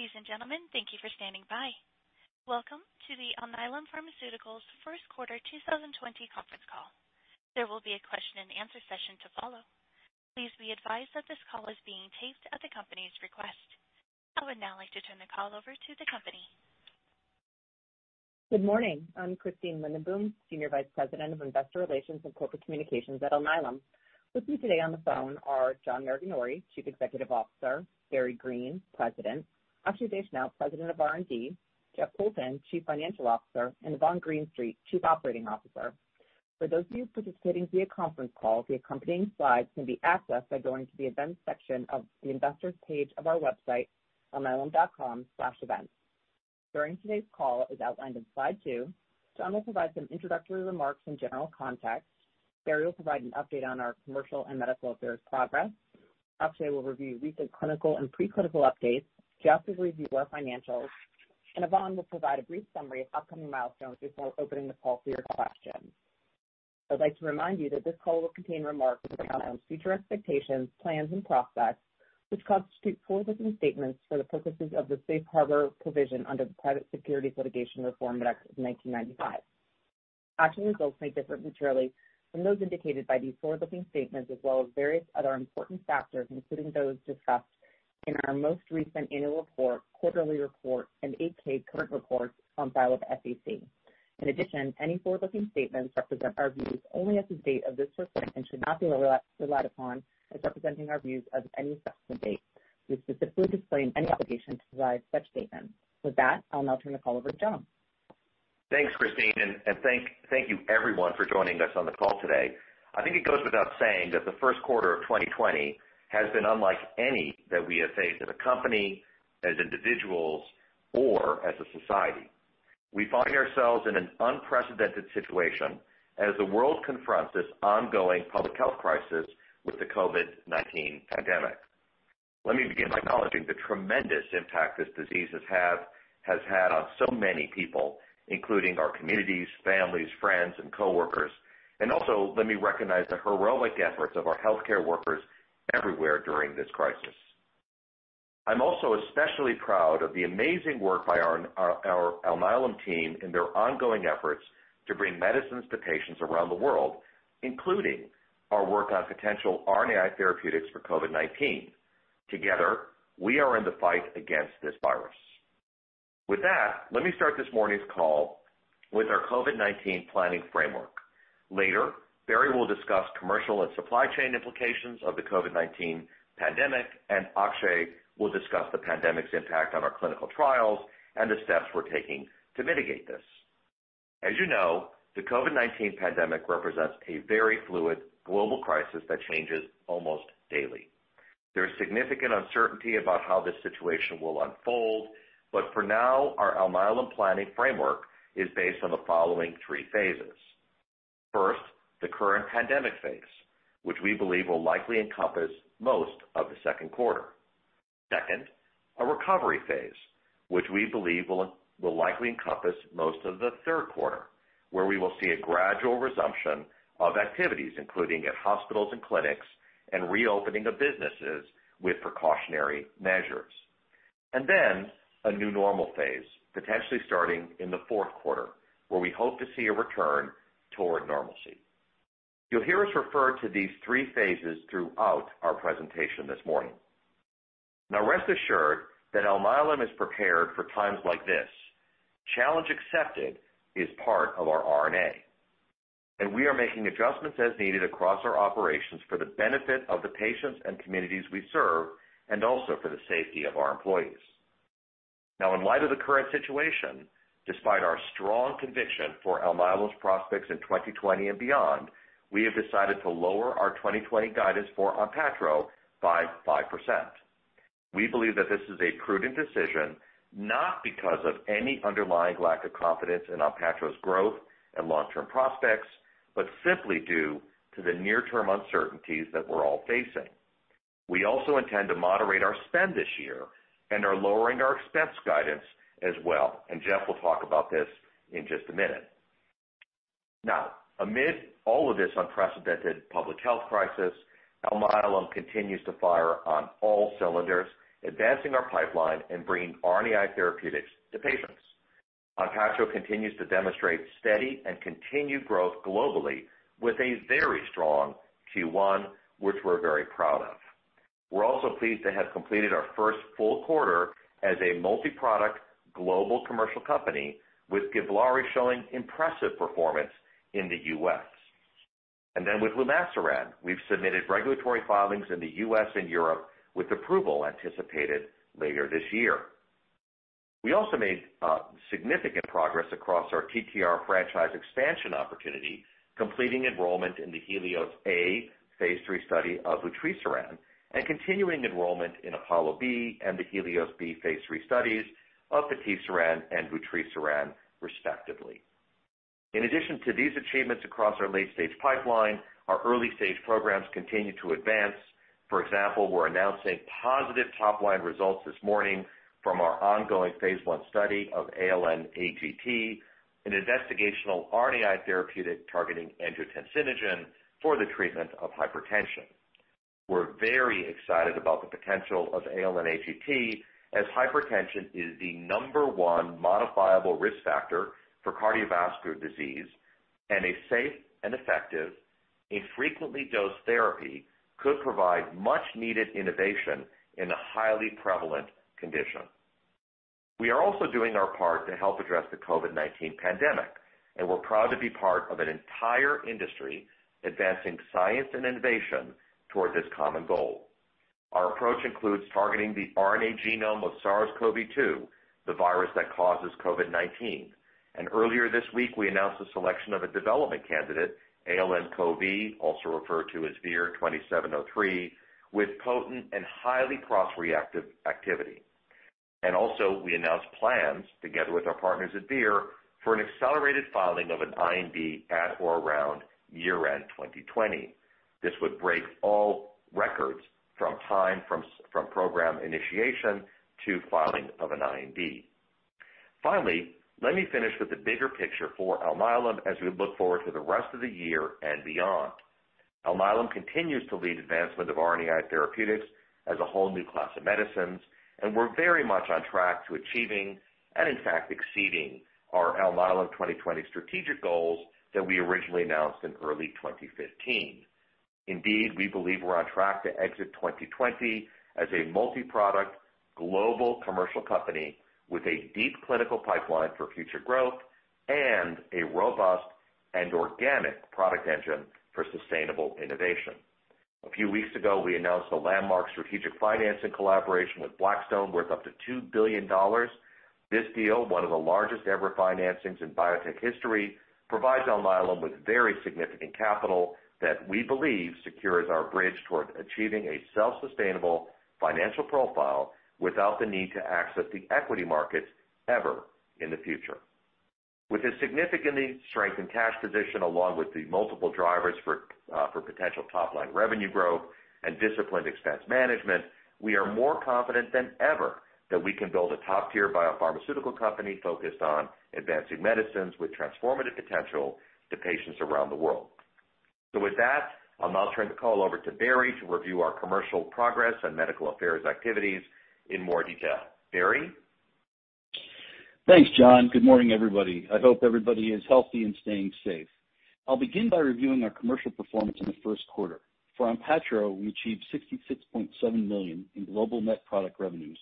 Ladies and gentlemen, thank you for standing by. Welcome to the Alnylam Pharmaceuticals First Quarter 2020 Conference Call. There will be a question and answer session to follow. Please be advised that this call is being taped at the company's request. I would now like to turn the call over to the company. Good morning. I'm Christine Lindenboom, Senior Vice President of Investor Relations and Corporate Communications at Alnylam. With me today on the phone are John Maraganore, Chief Executive Officer, Barry Greene, President, Akshay Vaishnaw, President of R&D, Jeff Poulton, Chief Financial Officer, and Yvonne Greenstreet, Chief Operating Officer. For those of you participating via conference call, the accompanying slides can be accessed by going to the events section of the investors page of our website, alnylam.com/events. During today's call, as outlined in slide two, John will provide some introductory remarks and general context. Barry will provide an update on our commercial and medical affairs progress. Akshay will review recent clinical and preclinical updates. Jeff will review our financials. And Yvonne will provide a brief summary of upcoming milestones before opening the call for your questions. I'd like to remind you that this call will contain remarks that outline future expectations, plans, and prospects, which constitute forward-looking statements for the purposes of the Safe Harbor provision under the Private Securities Litigation Reform Act of 1995. Actual results may differ materially from those indicated by these forward-looking statements, as well as various other important factors, including those discussed in our most recent annual report, quarterly report, and 8-K current reports on file with the SEC. In addition, any forward-looking statements represent our views only as of the date of this report and should not be relied upon as representing our views of any subsequent date. We specifically disclaim any obligation to provide such statements. With that, I'll now turn the call over to John. Thanks, Christine, and thank you everyone for joining us on the call today. I think it goes without saying that the first quarter of 2020 has been unlike any that we have faced as a company, as individuals, or as a society. We find ourselves in an unprecedented situation as the world confronts this ongoing public health crisis with the COVID-19 pandemic. Let me begin by acknowledging the tremendous impact this disease has had on so many people, including our communities, families, friends, and coworkers. And also, let me recognize the heroic efforts of our healthcare workers everywhere during this crisis. I'm also especially proud of the amazing work by our Alnylam team in their ongoing efforts to bring medicines to patients around the world, including our work on potential RNAi therapeutics for COVID-19. Together, we are in the fight against this virus. With that, let me start this morning's call with our COVID-19 planning framework. Later, Barry will discuss commercial and supply chain implications of the COVID-19 pandemic, and Akshay will discuss the pandemic's impact on our clinical trials and the steps we're taking to mitigate this. As you know, the COVID-19 pandemic represents a very fluid global crisis that changes almost daily. There is significant uncertainty about how this situation will unfold, but for now, our Alnylam planning framework is based on the following three phases. First, the current pandemic phase, which we believe will likely encompass most of the second quarter. Second, a recovery phase, which we believe will likely encompass most of the third quarter, where we will see a gradual resumption of activities, including at hospitals and clinics and reopening of businesses with precautionary measures. And then a new normal phase, potentially starting in the fourth quarter, where we hope to see a return toward normalcy. You'll hear us refer to these three phases throughout our presentation this morning. Now, rest assured that Alnylam is prepared for times like this. Challenge Accepted is part of our RNAi. And we are making adjustments as needed across our operations for the benefit of the patients and communities we serve, and also for the safety of our employees. Now, in light of the current situation, despite our strong conviction for Alnylam's prospects in 2020 and beyond, we have decided to lower our 2020 guidance for ONPATTRO by 5%. We believe that this is a prudent decision, not because of any underlying lack of confidence in ONPATTRO's growth and long-term prospects, but simply due to the near-term uncertainties that we're all facing. We also intend to moderate our spend this year and are lowering our expense guidance as well, and Jeff will talk about this in just a minute. Now, amid all of this unprecedented public health crisis, Alnylam continues to fire on all cylinders, advancing our pipeline and bringing RNAi therapeutics to patients. ONPATTRO continues to demonstrate steady and continued growth globally with a very strong Q1, which we're very proud of. We're also pleased to have completed our first full quarter as a multi-product global commercial company, with GIVLAARI showing impressive performance in the U.S., and then with lumasiran, we've submitted regulatory filings in the U.S. and Europe, with approval anticipated later this year. We also made significant progress across our TTR franchise expansion opportunity, completing enrollment in the HELIOS A Phase III study of vutrisiran, and continuing enrollment in APOLLO B and HELIOS B Phase III studies of patisiran and vutrisiran, respectively. In addition to these achievements across our late-stage pipeline, our early-stage programs continue to advance. For example, we're announcing positive top-line results this morning from our ongoing Phase I study of ALN-AGT, an investigational RNAi therapeutic targeting angiotensinogen for the treatment of hypertension. We're very excited about the potential of ALN-AGT, as hypertension is the number one modifiable risk factor for cardiovascular disease, and a safe and effective, infrequently dosed therapy could provide much-needed innovation in a highly prevalent condition. We are also doing our part to help address the COVID-19 pandemic, and we're proud to be part of an entire industry advancing science and innovation toward this common goal. Our approach includes targeting the RNA genome of SARS-CoV-2, the virus that causes COVID-19. And earlier this week, we announced the selection of a development candidate, ALN-CoV, also referred to as Vir-2703, with potent and highly cross-reactive activity. And also, we announced plans, together with our partners at Vir, for an accelerated filing of an IND at or around year-end 2020. This would break all records from time of program initiation to filing of an IND. Finally, let me finish with the bigger picture for Alnylam as we look forward to the rest of the year and beyond. Alnylam continues to lead advancement of RNAi therapeutics as a whole new class of medicines, and we're very much on track to achieving and, in fact, exceeding our Alnylam 2020 strategic goals that we originally announced in early 2015. Indeed, we believe we're on track to exit 2020 as a multi-product global commercial company with a deep clinical pipeline for future growth and a robust and organic product engine for sustainable innovation. A few weeks ago, we announced a landmark strategic financing collaboration with Blackstone worth up to $2 billion. This deal, one of the largest ever financings in biotech history, provides Alnylam with very significant capital that we believe secures our bridge toward achieving a self-sustainable financial profile without the need to access the equity markets ever in the future. With a significantly strengthened cash position, along with the multiple drivers for potential top-line revenue growth and disciplined expense management, we are more confident than ever that we can build a top-tier biopharmaceutical company focused on advancing medicines with transformative potential to patients around the world. So with that, I'll now turn the call over to Barry to review our commercial progress and medical affairs activities in more detail. Barry? Thanks, John. Good morning, everybody. I hope everybody is healthy and staying safe. I'll begin by reviewing our commercial performance in the first quarter. For ONPATTRO, we achieved $66.7 million in global net product revenues,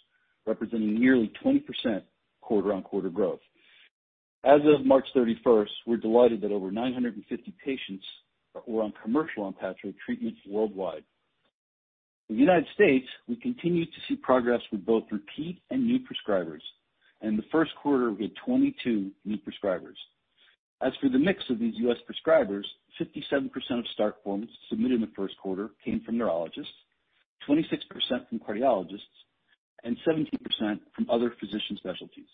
representing nearly 20% quarter-on-quarter growth. As of March 31st, we're delighted that over 950 patients were on commercial ONPATTRO treatments worldwide. In the United States, we continue to see progress with both repeat and new prescribers. And in the first quarter, we had 22 new prescribers. As for the mix of these U.S. prescribers, 57% of start forms submitted in the first quarter came from neurologists, 26% from cardiologists, and 70% from other physician specialties.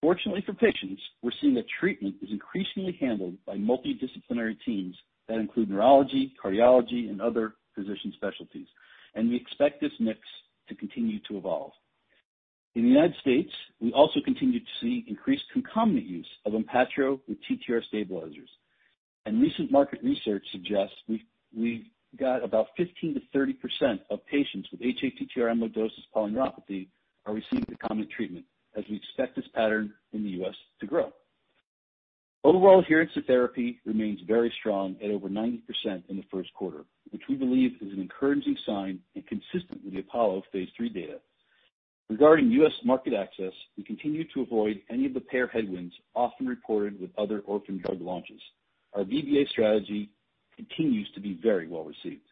Fortunately for patients, we're seeing that treatment is increasingly handled by multidisciplinary teams that include neurology, cardiology, and other physician specialties. And we expect this mix to continue to evolve. In the United States, we also continue to see increased concomitant use of ONPATTRO with TTR stabilizers, and recent market research suggests we've got about 15%-30% of patients with hATTR amyloidosis polyneuropathy are receiving concomitant treatment, as we expect this pattern in the U.S. to grow. Overall adherence to therapy remains very strong at over 90% in the first quarter, which we believe is an encouraging sign and consistent with the Apollo Phase III data. Regarding U.S. market access, we continue to avoid any of the payer headwinds often reported with other orphan drug launches. Our VBA strategy continues to be very well received.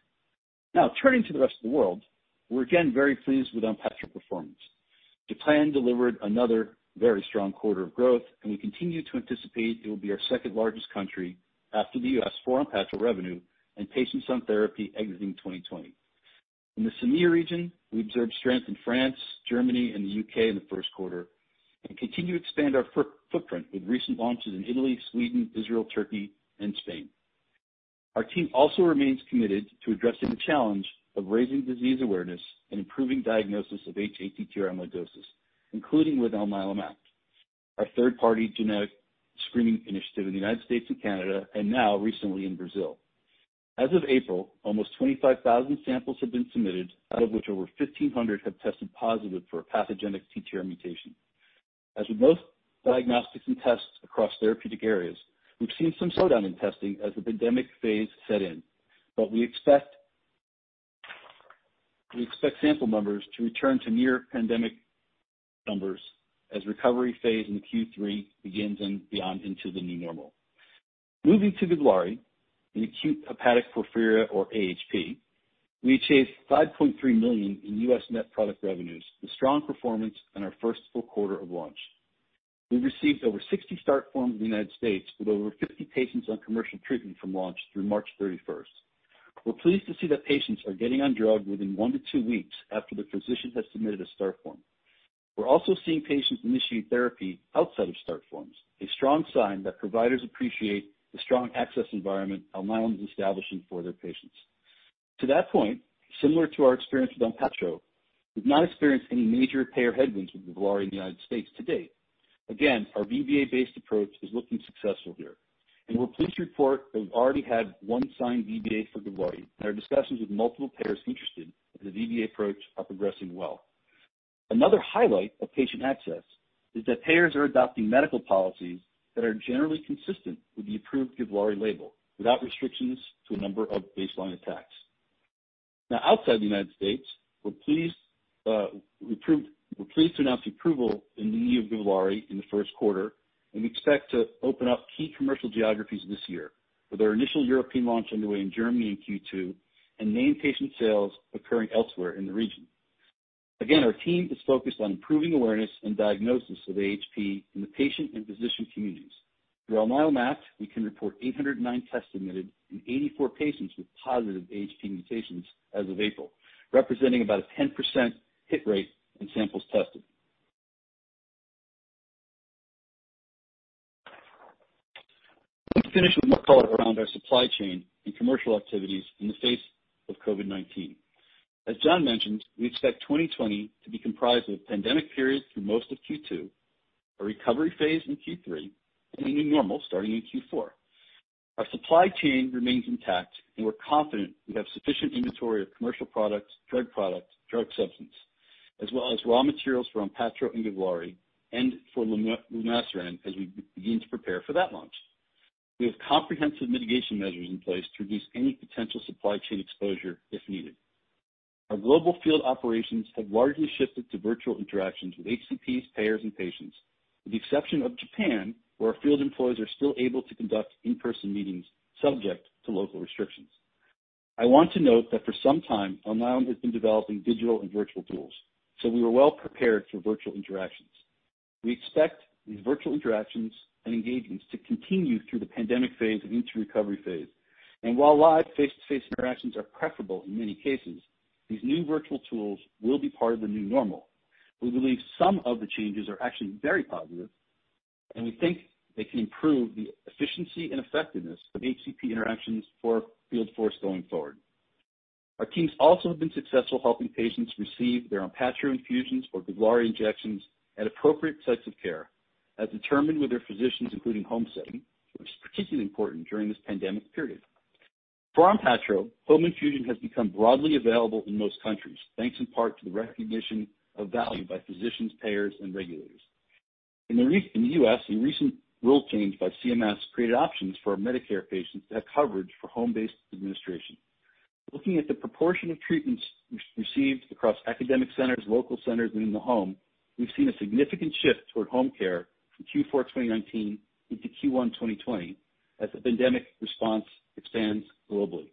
Now, turning to the rest of the world, we're again very pleased with ONPATTRO performance. Japan delivered another very strong quarter of growth, and we continue to anticipate it will be our second largest country after the U.S. for ONPATTRO revenue and patients on therapy exiting 2020. In the EMEA region, we observed strength in France, Germany, and the U.K. in the first quarter, and continue to expand our footprint with recent launches in Italy, Sweden, Israel, Turkey, and Spain. Our team also remains committed to addressing the challenge of raising disease awareness and improving diagnosis of hATTR amyloidosis, including with Alnylam Act, our third-party genetic screening initiative in the United States and Canada, and now recently in Brazil. As of April, almost 25,000 samples have been submitted, out of which over 1,500 have tested positive for a pathogenic TTR mutation. As with most diagnostics and tests across therapeutic areas, we've seen some slowdown in testing as the pandemic phase set in. But we expect sample numbers to return to near-pandemic numbers as recovery phase in Q3 begins and beyond into the new normal. Moving to GIVLAARI in acute hepatic porphyria or AHP, we achieved $5.3 million in U.S. net product revenues, a strong performance in our first full quarter of launch. We received over 60 start forms in the United States, with over 50 patients on commercial treatment from launch through March 31st. We're pleased to see that patients are getting on drug within one to two weeks after the physician has submitted a start form. We're also seeing patients initiate therapy outside of start forms, a strong sign that providers appreciate the strong access environment Alnylam is establishing for their patients. To that point, similar to our experience with ONPATTRO, we've not experienced any major payer headwinds with GIVLAARI in the United States to date. Again, our VBA-based approach is looking successful here, and we're pleased to report that we've already had one signed VBA for GIVLAARI. There are discussions with multiple payers interested in the VBA approach progressing well. Another highlight of patient access is that payers are adopting medical policies that are generally consistent with the approved GIVLAARI label, without restrictions to a number of baseline attacks. Now, outside the United States, we're pleased to announce approval in the EU of GIVLAARI in the first quarter, and we expect to open up key commercial geographies this year, with our initial European launch underway in Germany in Q2 and named patient sales occurring elsewhere in the region. Again, our team is focused on improving awareness and diagnosis of AHP in the patient and physician communities. Through Alnylam Act, we can report 809 tests submitted and 84 patients with positive AHP mutations as of April, representing about a 10% hit rate in samples tested. Let's finish with my call around our supply chain and commercial activities in the face of COVID-19. As John mentioned, we expect 2020 to be comprised of a pandemic period through most of Q2, a recovery phase in Q3, and a new normal starting in Q4. Our supply chain remains intact, and we're confident we have sufficient inventory of commercial products, drug products, drug substance, as well as raw materials for ONPATTRO and GIVLAARI and for Lumasiran as we begin to prepare for that launch. We have comprehensive mitigation measures in place to reduce any potential supply chain exposure if needed. Our global field operations have largely shifted to virtual interactions with HCPs, payers, and patients, with the exception of Japan, where our field employees are still able to conduct in-person meetings subject to local restrictions. I want to note that for some time, Alnylam has been developing digital and virtual tools, so we were well prepared for virtual interactions. We expect these virtual interactions and engagements to continue through the pandemic phase and into recovery phase. And while live face-to-face interactions are preferable in many cases, these new virtual tools will be part of the new normal. We believe some of the changes are actually very positive, and we think they can improve the efficiency and effectiveness of HCP interactions for field force going forward. Our teams also have been successful helping patients receive their ONPATTRO infusions or GIVLAARI injections at appropriate sites of care, as determined with their physicians, including home setting, which is particularly important during this pandemic period. For ONPATTRO, home infusion has become broadly available in most countries, thanks in part to the recognition of value by physicians, payers, and regulators. In the US, a recent rule change by CMS created options for Medicare patients to have coverage for home-based administration. Looking at the proportion of treatments received across academic centers, local centers, and in the home, we've seen a significant shift toward home care from Q4 2019 into Q1 2020 as the pandemic response expands globally.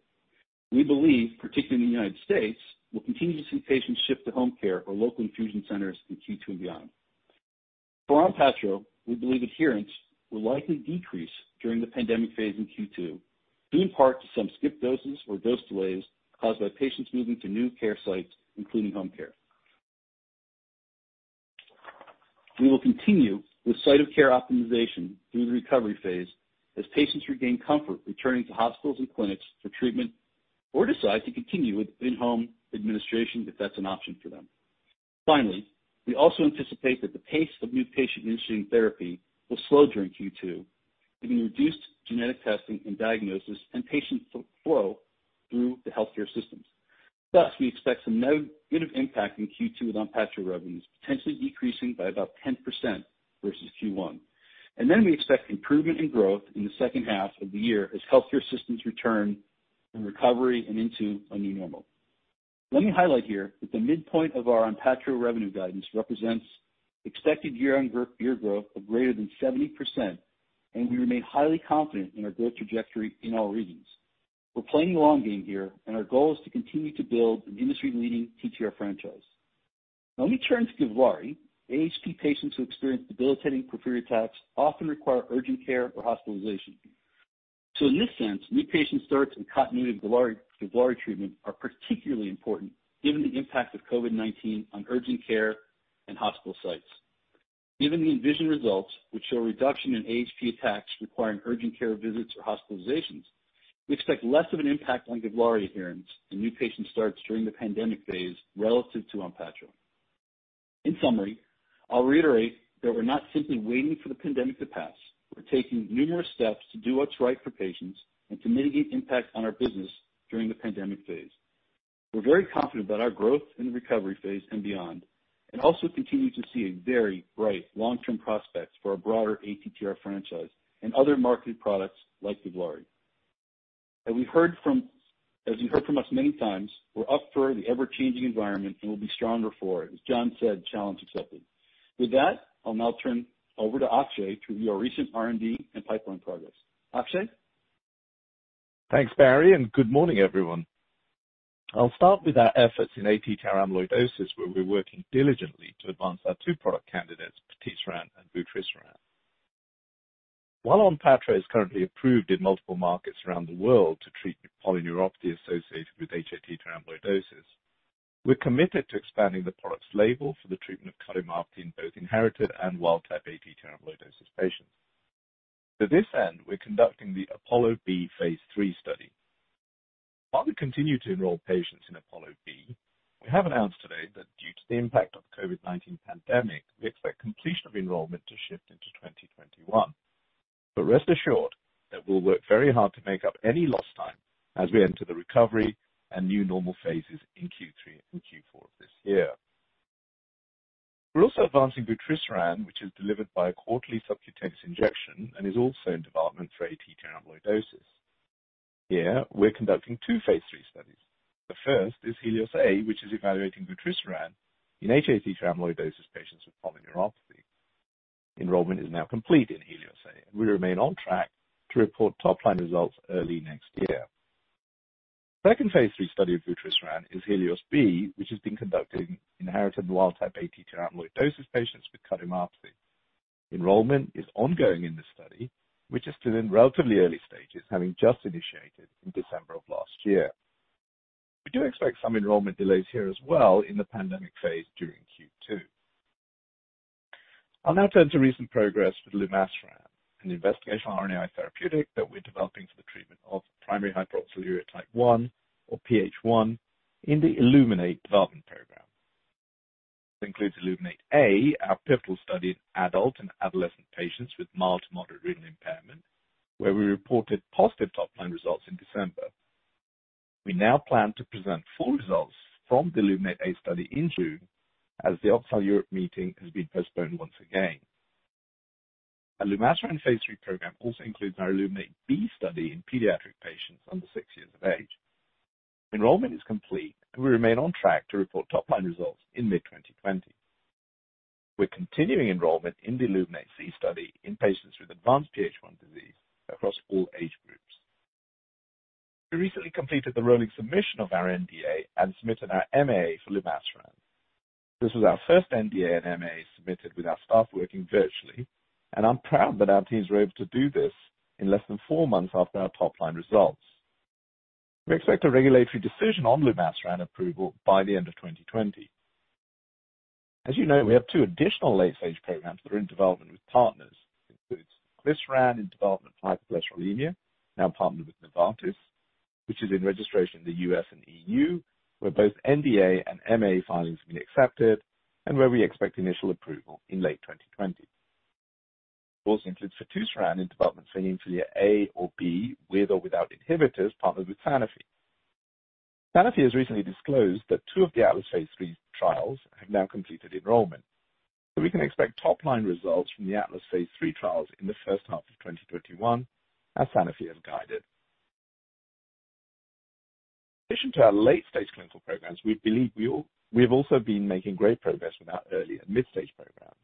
We believe, particularly in the United States, we'll continue to see patients shift to home care or local infusion centers in Q2 and beyond. For ONPATTRO, we believe adherence will likely decrease during the pandemic phase in Q2, due in part to some skipped doses or dose delays caused by patients moving to new care sites, including home care. We will continue with site-of-care optimization through the recovery phase as patients regain comfort returning to hospitals and clinics for treatment or decide to continue with in-home administration if that's an option for them. Finally, we also anticipate that the pace of new patient initiating therapy will slow during Q2, given reduced genetic testing and diagnosis and patient flow through the healthcare systems. Thus, we expect some negative impact in Q2 with ONPATTRO revenues, potentially decreasing by about 10% versus Q1. And then we expect improvement and growth in the second half of the year as healthcare systems return to recovery and into a new normal. Let me highlight here that the midpoint of our ONPATTRO revenue guidance represents expected year-on-year growth of greater than 70%, and we remain highly confident in our growth trajectory in all regions. We're playing the long game here, and our goal is to continue to build an industry-leading TTR franchise. Let me turn to GIVLAARI. AHP patients who experience debilitating porphyria attacks often require urgent care or hospitalization. So in this sense, new patient starts and continuity of GIVLAARI treatment are particularly important, given the impact of COVID-19 on urgent care and hospital sites. Given the envisioned results, which show a reduction in AHP attacks requiring urgent care visits or hospitalizations, we expect less of an impact on GIVLAARI adherence and new patient starts during the pandemic phase relative to ONPATTRO. In summary, I'll reiterate that we're not simply waiting for the pandemic to pass. We're taking numerous steps to do what's right for patients and to mitigate impact on our business during the pandemic phase. We're very confident about our growth in the recovery phase and beyond, and also continue to see a very bright long-term prospect for our broader ATTR franchise and other marketed products like GIVLAARI. As we've heard from us many times, we're up for the ever-changing environment and will be stronger for it, as John said, challenge accepted. With that, I'll now turn over to Akshay to review our recent R&D and pipeline progress. Akshay? Thanks, Barry, and good morning, everyone. I'll start with our efforts in ATTR amyloidosis, where we're working diligently to advance our two product candidates, patisiran and vutrisiran. While ONPATTRO is currently approved in multiple markets around the world to treat polyneuropathy associated with hATTR amyloidosis, we're committed to expanding the product's label for the treatment of cardiomyopathy in both inherited and wild-type ATTR amyloidosis patients. To this end, we're conducting the APOLLO B Phase III study. While we continue to enroll patients in APOLLO B, we have announced today that due to the impact of the COVID-19 pandemic, we expect completion of enrollment to shift into 2021. But, rest assured that we'll work very hard to make up any lost time as we enter the recovery and new normal phases in Q3 and Q4 of this year. We're also advancing vutrisiran, which is delivered by a quarterly subcutaneous injection and is also in development for ATTR amyloidosis. Here, we're conducting two Phase III studies. The first is HELIOS A, which is evaluating vutrisiran in hATTR amyloidosis patients with polyneuropathy. Enrollment is now complete in HELIOS A, and we remain on track to report top-line results early next year. The second Phase III study of vutrisiran HELIOS B, which has been conducted in inherited wild-type ATTR amyloidosis patients with cardiomyopathy. Enrollment is ongoing in this study, which is still in relatively early stages, having just initiated in December of last year. We do expect some enrollment delays here as well in the pandemic phase during Q2. I'll now turn to recent progress with lumasiran, an investigational RNAi therapeutic that we're developing for the treatment of primary hyperoxaluria type 1 or PH1 in the Illuminate development program. It ILLUMINATE-A, our pivotal study in adult and adolescent patients with mild to moderate renal impairment, where we reported positive top-line results in December. We now plan to present full results from ILLUMINATE-A study in June, as the OxalEurope Congress has been postponed once again. Our Lumasiran Phase III program also includes our ILLUMINATE-B study in pediatric patients under six years of age. Enrollment is complete, and we remain on track to report top-line results in mid-2020. We're continuing enrollment in the ILLUMINATE-C study in patients with advanced PH1 disease across all age groups. We recently completed the rolling submission of our NDA and submitted our MAA for Lumasiran. This was our first NDA and MAA submitted with our staff working virtually, and I'm proud that our teams were able to do this in less than four months after our top-line results. We expect a regulatory decision on Lumasiran approval by the end of 2020. As you know, we have two additional late-stage programs that are in development with partners. It includes inclisiran in development for hypercholesterolemia, now partnered with Novartis, which is in registration in the U.S. and EU, where both NDA and MAA filings have been accepted, and where we expect initial approval in late 2020. It also includes fitusiran in development for hemophilia A or B with or without inhibitors, partnered with Sanofi. Sanofi has recently disclosed that two of the ATLAS Phase III trials have now completed enrollment. So we can expect top-line results from the ATLAS Phase III trials in the first half of 2021, as Sanofi has guided. In addition to our late-stage clinical programs, we believe we have also been making great progress with our early and mid-stage programs.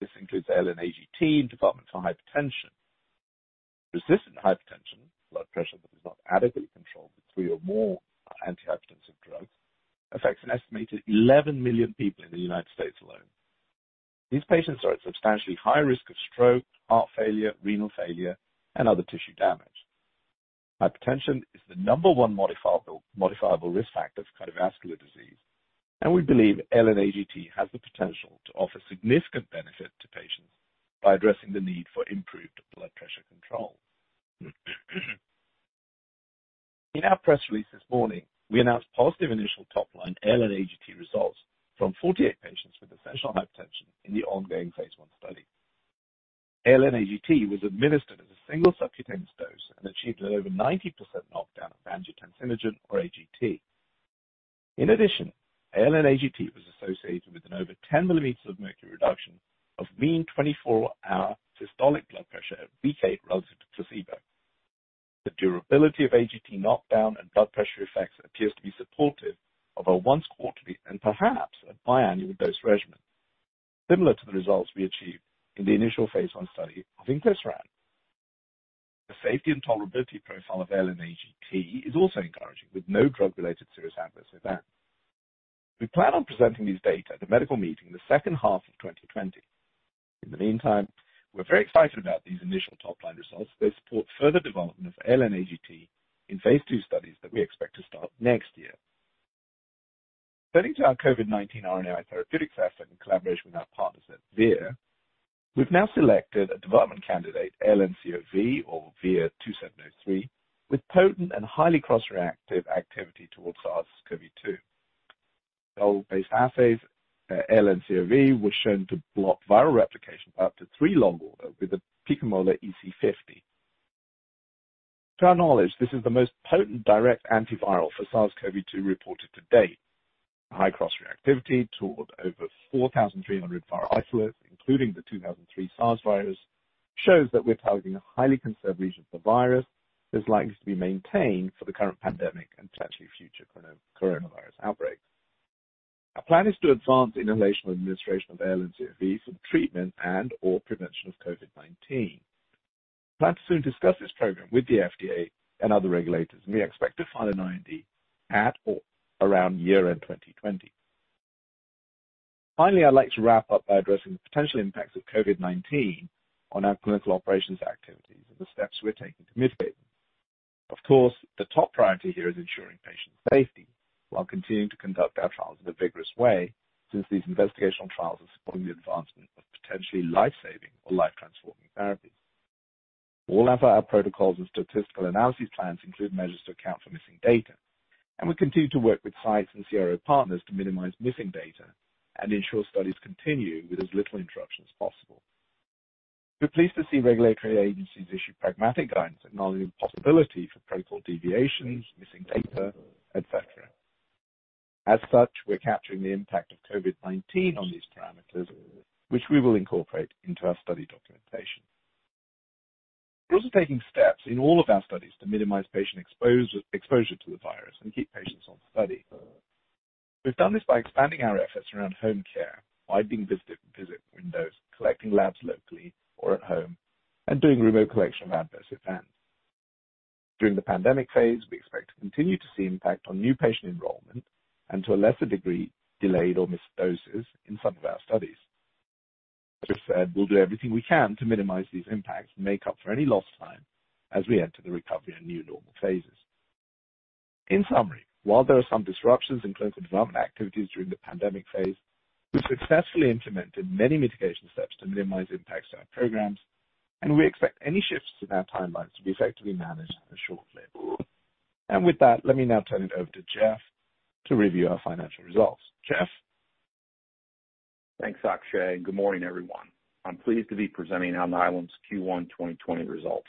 This includes ALN-AGT in development for hypertension. Resistant hypertension, blood pressure that is not adequately controlled with three or more antihypertensive drugs, affects an estimated 11 million people in the United States alone. These patients are at substantially high risk of stroke, heart failure, renal failure, and other tissue damage. Hypertension is the number one modifiable risk factor for cardiovascular disease, and we believe ALN-AGT has the potential to offer significant benefit to patients by addressing the need for improved blood pressure control. In our press release this morning, we announced positive initial top-line ALN-AGT results from 48 patients with essential hypertension in the ongoing Phase I study. ALN-AGT was administered as a single subcutaneous dose and achieved an over 90% knockdown of angiotensinogen or AGT. In addition, ALN-AGT was associated with an over 10 millimeters of mercury reduction of mean 24-hour systolic blood pressure at week 8 relative to placebo. The durability of AGT knockdown and blood pressure effects appears to be supportive of a once-quarterly and perhaps a biannual dose regimen, similar to the results we achieved in the initial Phase I study of inclisiran. The safety and tolerability profile of ALN-AGT is also encouraging, with no drug-related serious adverse events. We plan on presenting these data at a medical meeting in the second half of 2020. In the meantime, we're very excited about these initial top-line results. They support further development of ALN-AGT in Phase II studies that we expect to start next year. Turning to our COVID-19 RNAi therapeutics effort in collaboration with our partners at Vir Biotechnology, we've now selected a development candidate, ALN-CoV or VIR-2703, with potent and highly cross-reactive activity towards SARS-CoV-2. In cell-based assays, ALN-CoV was shown to block viral replication by up to three log order with a picomolar EC50. To our knowledge, this is the most potent direct antiviral for SARS-CoV-2 reported to date. The high cross-reactivity toward over 4,300 viral isolates, including the 2003 SARS virus, shows that we're targeting a highly conserved region of the virus that is likely to be maintained for the current pandemic and potentially future coronavirus outbreaks. Our plan is to advance inhalational administration of ALN-CoV for the treatment and/or prevention of COVID-19. We plan to soon discuss this program with the FDA and other regulators, and we expect to file an IND at or around year-end 2020. Finally, I'd like to wrap up by addressing the potential impacts of COVID-19 on our clinical operations activities and the steps we're taking to mitigate them. Of course, the top priority here is ensuring patient safety while continuing to conduct our trials in a vigorous way since these investigational trials are supporting the advancement of potentially lifesaving or life-transforming therapies. All of our protocols and statistical analysis plans include measures to account for missing data, and we continue to work with sites and CRO partners to minimize missing data and ensure studies continue with as little interruption as possible. We're pleased to see regulatory agencies issue pragmatic guidance acknowledging the possibility for protocol deviations, missing data, etc. As such, we're capturing the impact of COVID-19 on these parameters, which we will incorporate into our study documentation. We're also taking steps in all of our studies to minimize patient exposure to the virus and keep patients on study. We've done this by expanding our efforts around home care, widening visit windows, collecting labs locally or at home, and doing remote collection of adverse events. During the pandemic phase, we expect to continue to see impact on new patient enrollment and, to a lesser degree, delayed or missed doses in some of our studies. As we've said, we'll do everything we can to minimize these impacts and make up for any lost time as we enter the recovery and new normal phases. In summary, while there are some disruptions in clinical development activities during the pandemic phase, we've successfully implemented many mitigation steps to minimize impacts to our programs, and we expect any shifts in our timelines to be effectively managed in the short term. With that, let me now turn it over to Jeff to review our financial results. Jeff? Thanks, Akshay, and good morning, everyone. I'm pleased to be presenting Alnylam's Q1 2020 results.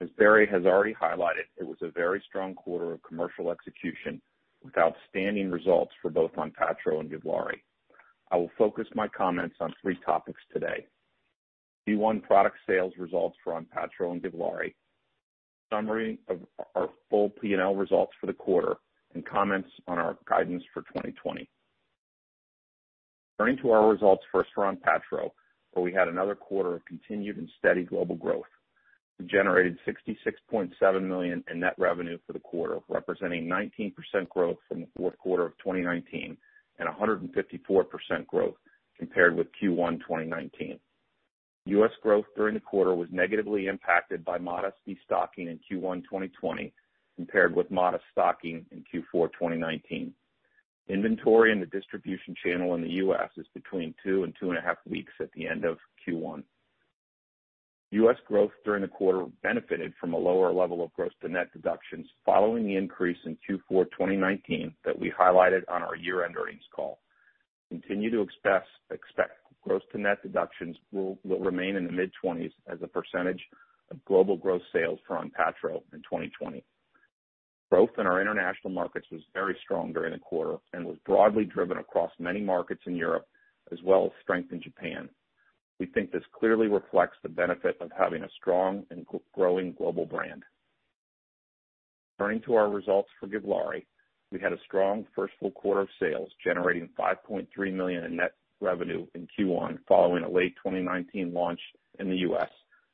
As Barry has already highlighted, it was a very strong quarter of commercial execution with outstanding results for both ONPATTRO and GIVLAARI. I will focus my comments on three topics today: Q1 product sales results for ONPATTRO and GIVLAARI, summary of our full P&L results for the quarter, and comments on our guidance for 2020. Turning to our results first for ONPATTRO, where we had another quarter of continued and steady global growth. We generated $66.7 million in net revenue for the quarter, representing 19% growth from the fourth quarter of 2019 and 154% growth compared with Q1 2019. U.S. growth during the quarter was negatively impacted by modest destocking in Q1 2020 compared with modest stocking in Q4 2019. Inventory and the distribution channel in the U.S. is between two and two and a half weeks at the end of Q1. U.S. growth during the quarter benefited from a lower level of gross-to-net deductions following the increase in Q4 2019 that we highlighted on our year-end earnings call. Continue to expect gross-to-net deductions will remain in the mid-20s as a percentage of global gross sales for ONPATTRO in 2020. Growth in our international markets was very strong during the quarter and was broadly driven across many markets in Europe, as well as strength in Japan. We think this clearly reflects the benefit of having a strong and growing global brand. Turning to our results for GIVLAARI, we had a strong first full quarter of sales generating $5.3 million in net revenue in Q1 following a late 2019 launch in the U.S.,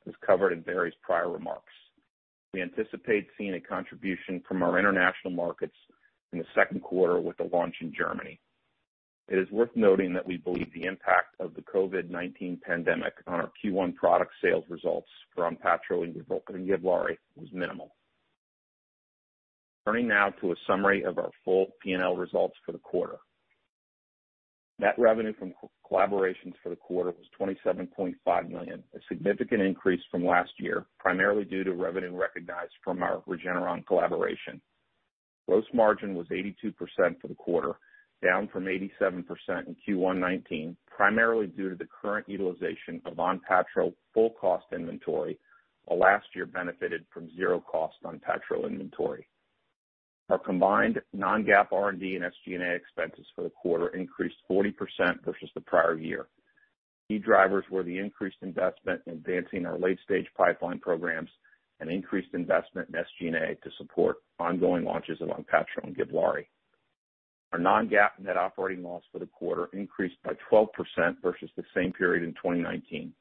as covered in various prior remarks. We anticipate seeing a contribution from our international markets in the second quarter with the launch in Germany. It is worth noting that we believe the impact of the COVID-19 pandemic on our Q1 product sales results for ONPATTRO and GIVLAARI was minimal. Turning now to a summary of our full P&L results for the quarter. Net revenue from collaborations for the quarter was $27.5 million, a significant increase from last year, primarily due to revenue recognized from our Regeneron collaboration. Gross margin was 82% for the quarter, down from 87% in Q1 '19, primarily due to the current utilization of ONPATTRO full-cost inventory, while last year benefited from zero-cost ONPATTRO inventory. Our combined non-GAAP R&D and SG&A expenses for the quarter increased 40% versus the prior year. Key drivers were the increased investment in advancing our late-stage pipeline programs and increased investment in SG&A to support ongoing launches of ONPATTRO and GIVLAARI. Our non-GAAP net operating loss for the quarter increased by 12% versus the same period in 2019.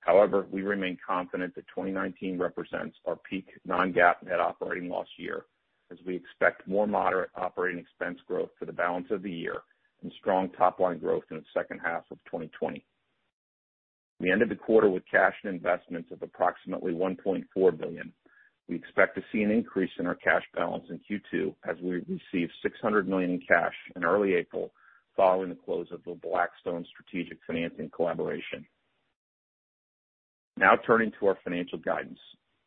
However, we remain confident that 2019 represents our peak non-GAAP net operating loss year, as we expect more moderate operating expense growth for the balance of the year and strong top-line growth in the second half of 2020. We ended the quarter with cash and investments of approximately $1.4 billion. We expect to see an increase in our cash balance in Q2, as we received $600 million in cash in early April following the close of the Blackstone Strategic Financing collaboration. Now turning to our financial guidance,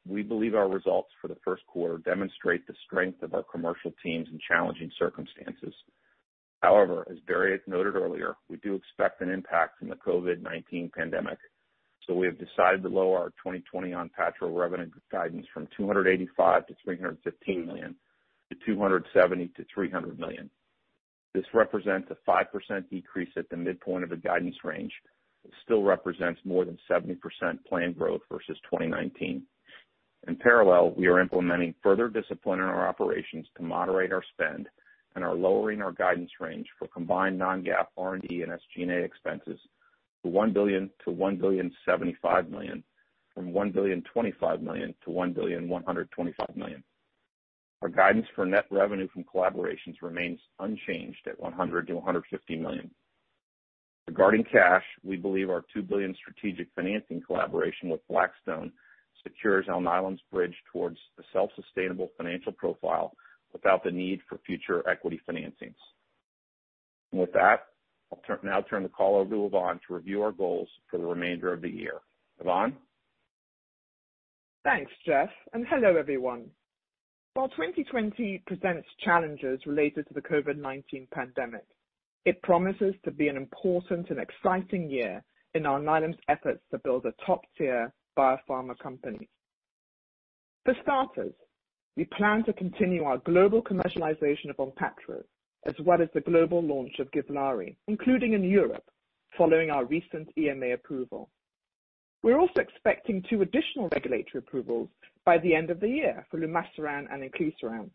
we believe our results for the first quarter demonstrate the strength of our commercial teams in challenging circumstances. However, as Barry noted earlier, we do expect an impact from the COVID-19 pandemic, so we have decided to lower our 2020 ONPATTRO revenue guidance from $285 million–$315 million to $270 million–$300 million. This represents a 5% decrease at the midpoint of the guidance range, but still represents more than 70% planned growth versus 2019. In parallel, we are implementing further discipline in our operations to moderate our spend and are lowering our guidance range for combined non-GAAP R&D and SG&A expenses to $1 billion–$1.075 billion, from $1.025 billion–$1.125 billion. Our guidance for net revenue from collaborations remains unchanged at $100 million–$150 million. Regarding cash, we believe our $2 billion strategic financing collaboration with Blackstone secures Alnylam's bridge towards a self-sustainable financial profile without the need for future equity financings. With that, I'll now turn the call over to Yvonne to review our goals for the remainder of the year. Yvonne? Thanks, Jeff, and hello, everyone. While 2020 presents challenges related to the COVID-19 pandemic, it promises to be an important and exciting year in Alnylam's efforts to build a top-tier biopharma company. For starters, we plan to continue our global commercialization of ONPATTRO, as well as the global launch of GIVLAARI, including in Europe, following our recent EMA approval. We're also expecting two additional regulatory approvals by the end of the year for Lumasiran and inclisiran.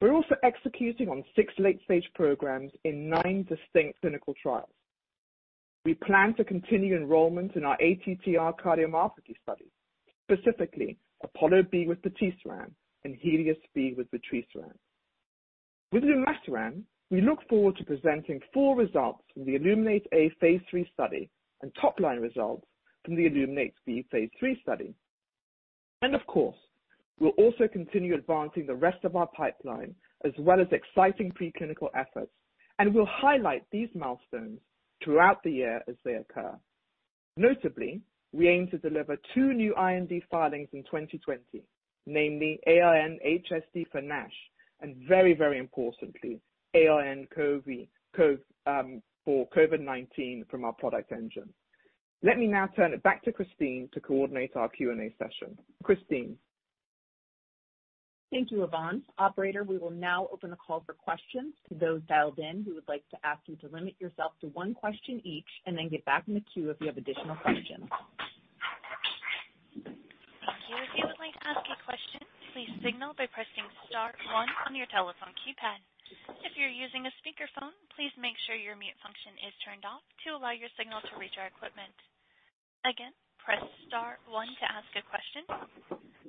We're also executing on six late-stage programs in nine distinct clinical trials. We plan to continue enrollment in our ATTR cardiomyopathy studies, specifically APOLLO B with patisiran HELIOS B with vutrisiran. With Lumasiran, we look forward to presenting full results from ILLUMINATE-A Phase III study and top-line results from the ILLUMINATE-B Phase III study. And of course, we'll also continue advancing the rest of our pipeline, as well as exciting preclinical efforts, and we'll highlight these milestones throughout the year as they occur. Notably, we aim to deliver two new IND filings in 2020, namely ALN-HSD for NASH and, very, very importantly, ALN-CoV for COVID-19 from our product engine. Let me now turn it back to Christine to coordinate our Q&A session. Christine. Thank you, Yvonne. Operator, we will now open the call for questions to those dialed in who would like to ask. We ask you to limit yourself to one question each and then get back in the queue if you have additional questions. If you would like to ask a question, please signal by pressing star one on your telephone keypad. If you're using a speakerphone, please make sure your mute function is turned off to allow your signal to reach our equipment. Again, press star one to ask a question,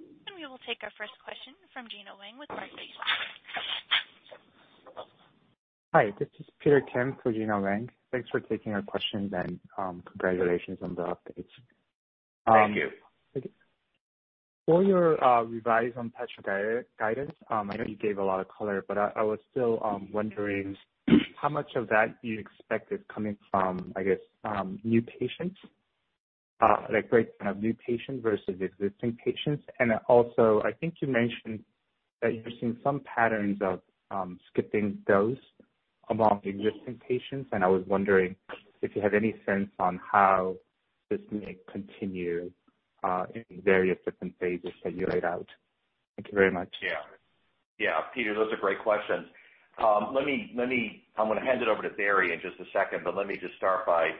and we will take our first question from Gina Wang with Barclays. Hi, this is Peter Kim for Gina Wang. Thanks for taking our questions and congratulations on the updates. Thank you. For your revised ONPATTRO guidance, I know you gave a lot of color, but I was still wondering how much of that you expect is coming from, I guess, new patients, like breakdown of new patients versus existing patients. And also, I think you mentioned that you're seeing some patterns of skipping dose among existing patients, and I was wondering if you have any sense on how this may continue in various different phases that you laid out. Thank you very much. Yeah. Yeah, Peter, those are great questions. Let me. I'm going to hand it over to Barry in just a second, but let me just start by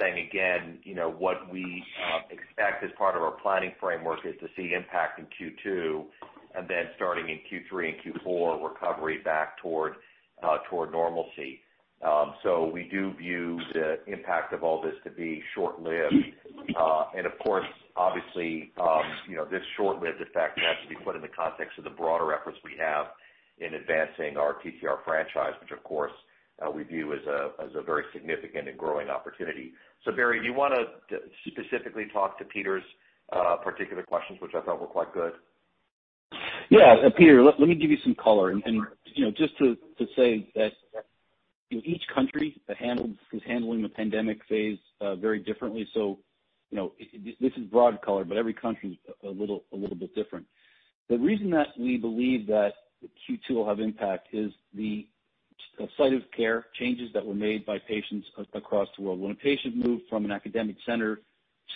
saying again what we expect as part of our planning framework is to see impact in Q2 and then starting in Q3 and Q4, recovery back toward normalcy. So we do view the impact of all this to be short-lived. And of course, obviously, this short-lived effect has to be put in the context of the broader efforts we have in advancing our TTR franchise, which, of course, we view as a very significant and growing opportunity. So Barry, do you want to specifically talk to Peter's particular questions, which I thought were quite good? Yeah. Peter, let me give you some color. And just to say that each country is handling the pandemic phase very differently. So this is broad color, but every country is a little bit different. The reason that we believe that Q2 will have impact is the site of care changes that were made by patients across the world. When a patient moved from an academic center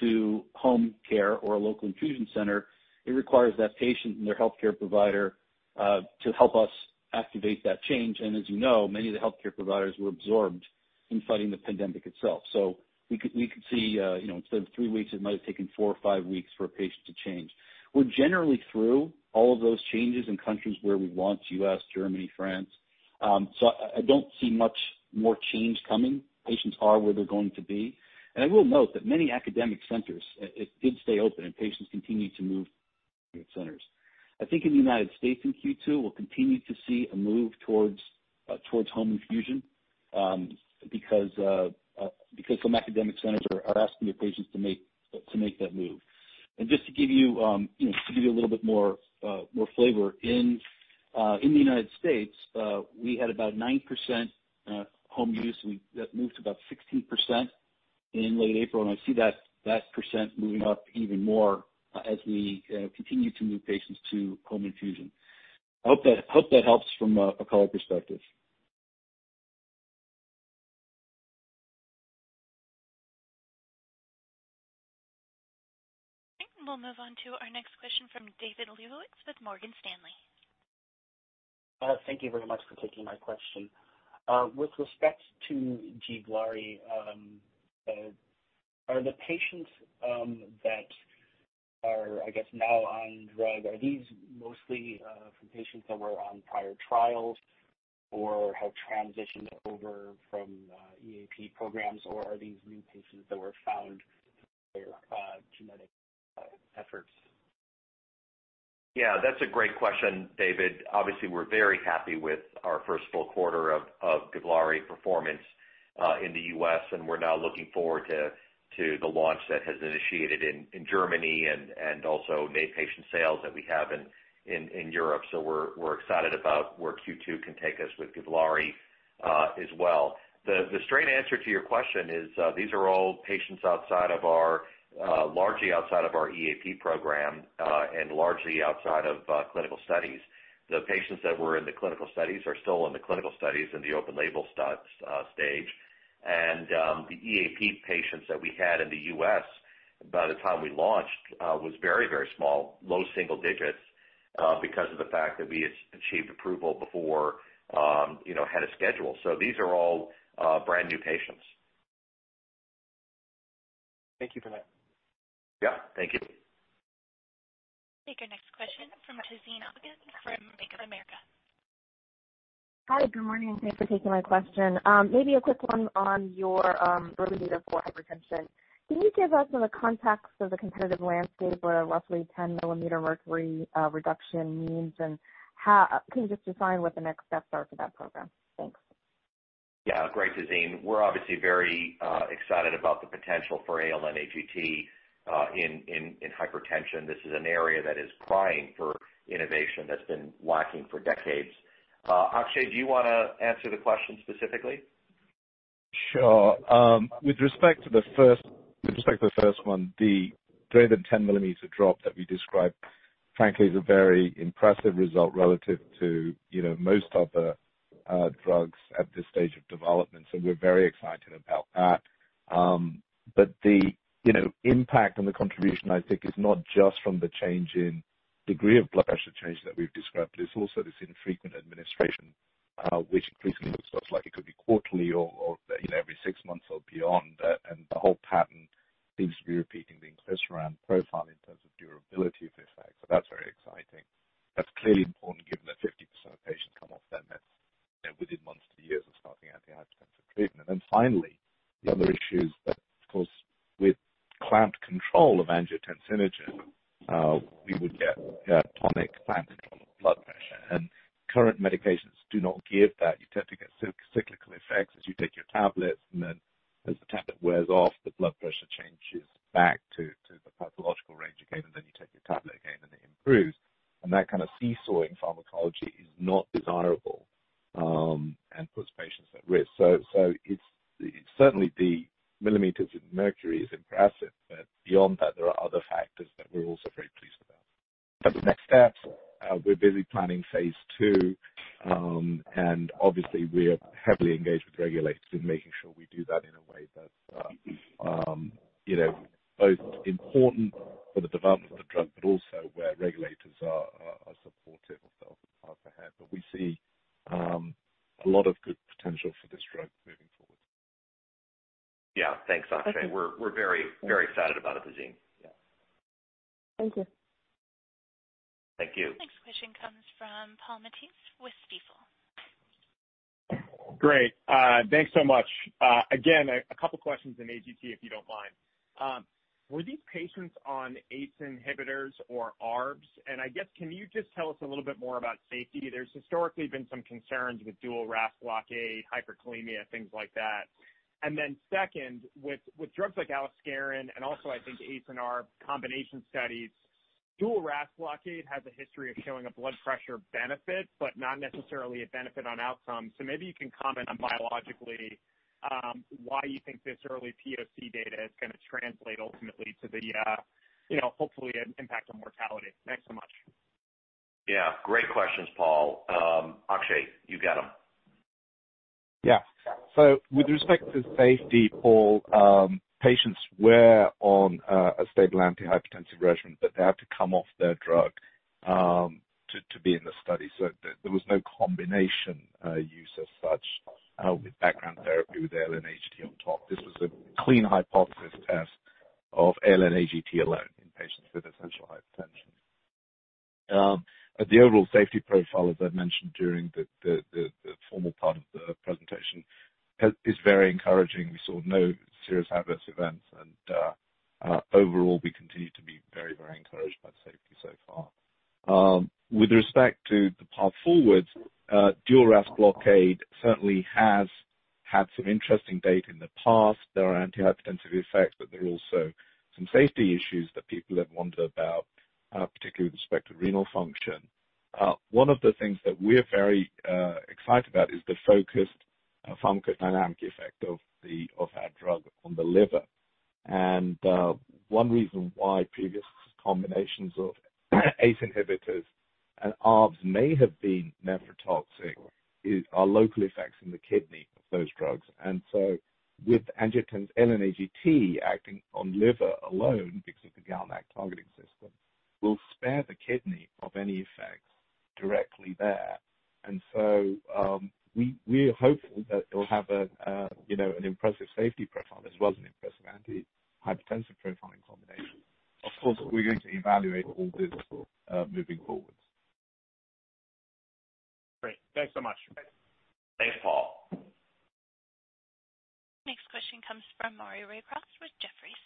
to home care or a local infusion center, it requires that patient and their healthcare provider to help us activate that change. And as you know, many of the healthcare providers were absorbed in fighting the pandemic itself. So we could see instead of three weeks, it might have taken four or five weeks for a patient to change. We're generally through all of those changes in countries where we want, US, Germany, France, so I don't see much more change coming. Patients are where they're going to be. And I will note that many academic centers did stay open, and patients continued to move to academic centers. I think in the United States, in Q2, we'll continue to see a move towards home infusion because some academic centers are asking their patients to make that move. And just to give you a little bit more flavor, in the United States, we had about 9% home use. We moved to about 16% in late April, and I see that percent moving up even more as we continue to move patients to home infusion. I hope that helps from a color perspective. Okay. We'll move on to our next question from David Lebowitz with Morgan Stanley. Thank you very much for taking my question. With respect to GIVLAARI, are the patients that are, I guess, now on drug, are these mostly from patients that were on prior trials or have transitioned over from EAP programs, or are these new patients that were found through their genetic efforts? Yeah, that's a great question, David. Obviously, we're very happy with our first full quarter of GIVLAARI performance in the U.S., and we're now looking forward to the launch that has initiated in Germany and also made patient sales that we have in Europe. So we're excited about where Q2 can take us with GIVLAARI as well. The straight answer to your question is these are all patients outside of our largely EAP program and largely outside of clinical studies. The patients that were in the clinical studies are still in the clinical studies in the open-label stage. And the EAP patients that we had in the U.S. by the time we launched was very, very small, low single digits because of the fact that we had achieved approval before ahead of schedule. So these are all brand new patients. Thank you for that. Yeah, thank you. Take your next question from Tazeen Ahmad from Bank of America. Hi, good morning. Thanks for taking my question. Maybe a quick one on your remedy for hypertension. Can you give us the context of the competitive landscape where a roughly 10-millimeter mercury reduction means, and can you just define what the next steps are for that program? Thanks. Yeah, great, Tazeen. We're obviously very excited about the potential for ALN-AGT in hypertension. This is an area that is crying for innovation that's been lacking for decades. Akshay, do you want to answer the question specifically? Sure. With respect to the first one, the greater than 10-mm drop that we described, frankly, is a very impressive result relative to most other drugs at this stage of development. So we're very excited about that. But the impact and the contribution, I think, is not just from the change in degree of blood pressure change that we've described. It's also this infrequent administration, which increasingly looks like it could be quarterly or every six months or beyond. And the whole pattern seems to be repeating the inclisiran profile in terms of durability of the effects. So that's very exciting. That's clearly important given that 50% of patients come off their meds within months to years of starting antihypertensive treatment. And then finally, the other issue is that, of course, with clamped control of angiotensinogen, we would get tonic clamp control of blood pressure. Current medications do not give that. You tend to get cyclical effects as you take your tablets, and then as the tablet wears off, the blood pressure changes back to Yeah. Great questions, Paul. Akshay, you got them. Yeah. So with respect to safety, Paul, patients were on a stable antihypertensive regimen, but they had to come off their drug to be in the study. So there was no combination use as such with background therapy with ALN-AGT on top. This was a clean hypothesis test of ALN-AGT alone in patients with essential hypertension. The overall safety profile, as I mentioned during the formal part of the presentation, is very encouraging. We saw no serious adverse events, and overall, we continue to be very, very encouraged by the safety so far. With respect to the path forward, dual RAS blockade certainly has had some interesting data in the past. There are antihypertensive effects, but there are also some safety issues that people have wondered about, particularly with respect to renal function. One of the things that we're very excited about is the focused pharmacodynamic effect of our drug on the liver. And one reason why previous combinations of ACE inhibitors and ARBs may have been nephrotoxic are local effects in the kidney of those drugs. And so with angiotensinogen ALN-AGT acting on liver alone because of the GalNAc targeting system, we'll spare the kidney of any effects directly there. And so we're hopeful that it'll have an impressive safety profile as well as an impressive antihypertensive profile in combination. Of course, we're going to evaluate all this moving forward. Great. Thanks so much. Thanks, Paul. Next question comes from Maury Raycroft with Jefferies.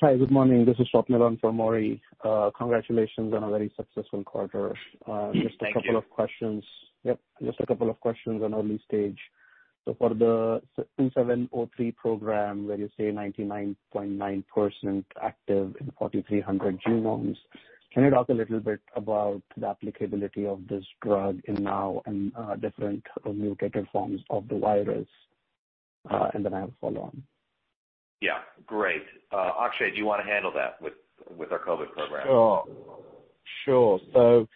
Hi, good morning. This is Eun Yang for Maury. Congratulations on a very successful quarter. Just a couple of questions. Yep, just a couple of questions on early stage. So for the 2703 program, where you say 99.9% active in 4,300 genomes, can you talk a little bit about the applicability of this drug now and different mutated forms of the virus? And then I have a follow-on. Yeah. Great. Akshay, do you want to handle that with our COVID program? Sure. Sure. So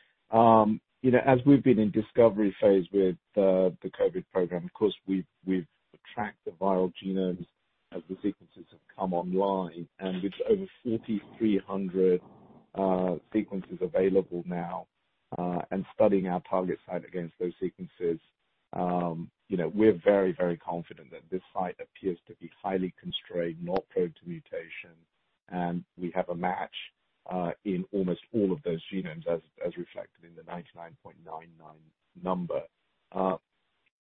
as we've been in discovery phase with the COVID program, of course, we've tracked the viral genomes as the sequences have come online. And with over 4,300 sequences available now and studying our target site against those sequences, we're very, very confident that this site appears to be highly constrained, not prone to mutation, and we have a match in almost all of those genomes as reflected in the 99.99% number.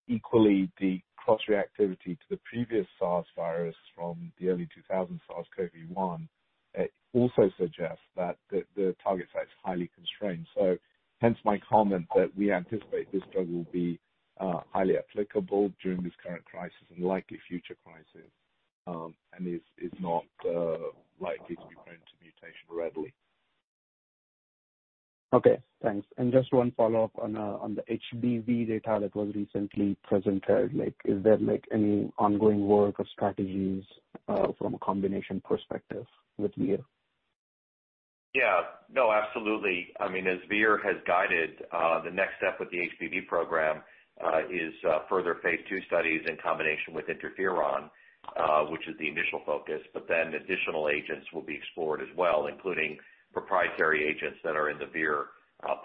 Equally, the cross-reactivity to the previous SARS virus from the early 2000s, SARS-CoV-1, also suggests that the target site is highly constrained. So hence my comment that we anticipate this drug will be highly applicable during this current crisis and likely future crisis and is not likely to be prone to mutation readily. Okay. Thanks. And just one follow-up on the HBV data that was recently presented. Is there any ongoing work or strategies from a combination perspective with VIR? Yeah. No, absolutely. I mean, as Vir has guided, the next step with the HBV program is further Phase II studies in combination with interferon, which is the initial focus. But then additional agents will be explored as well, including proprietary agents that are in the Vir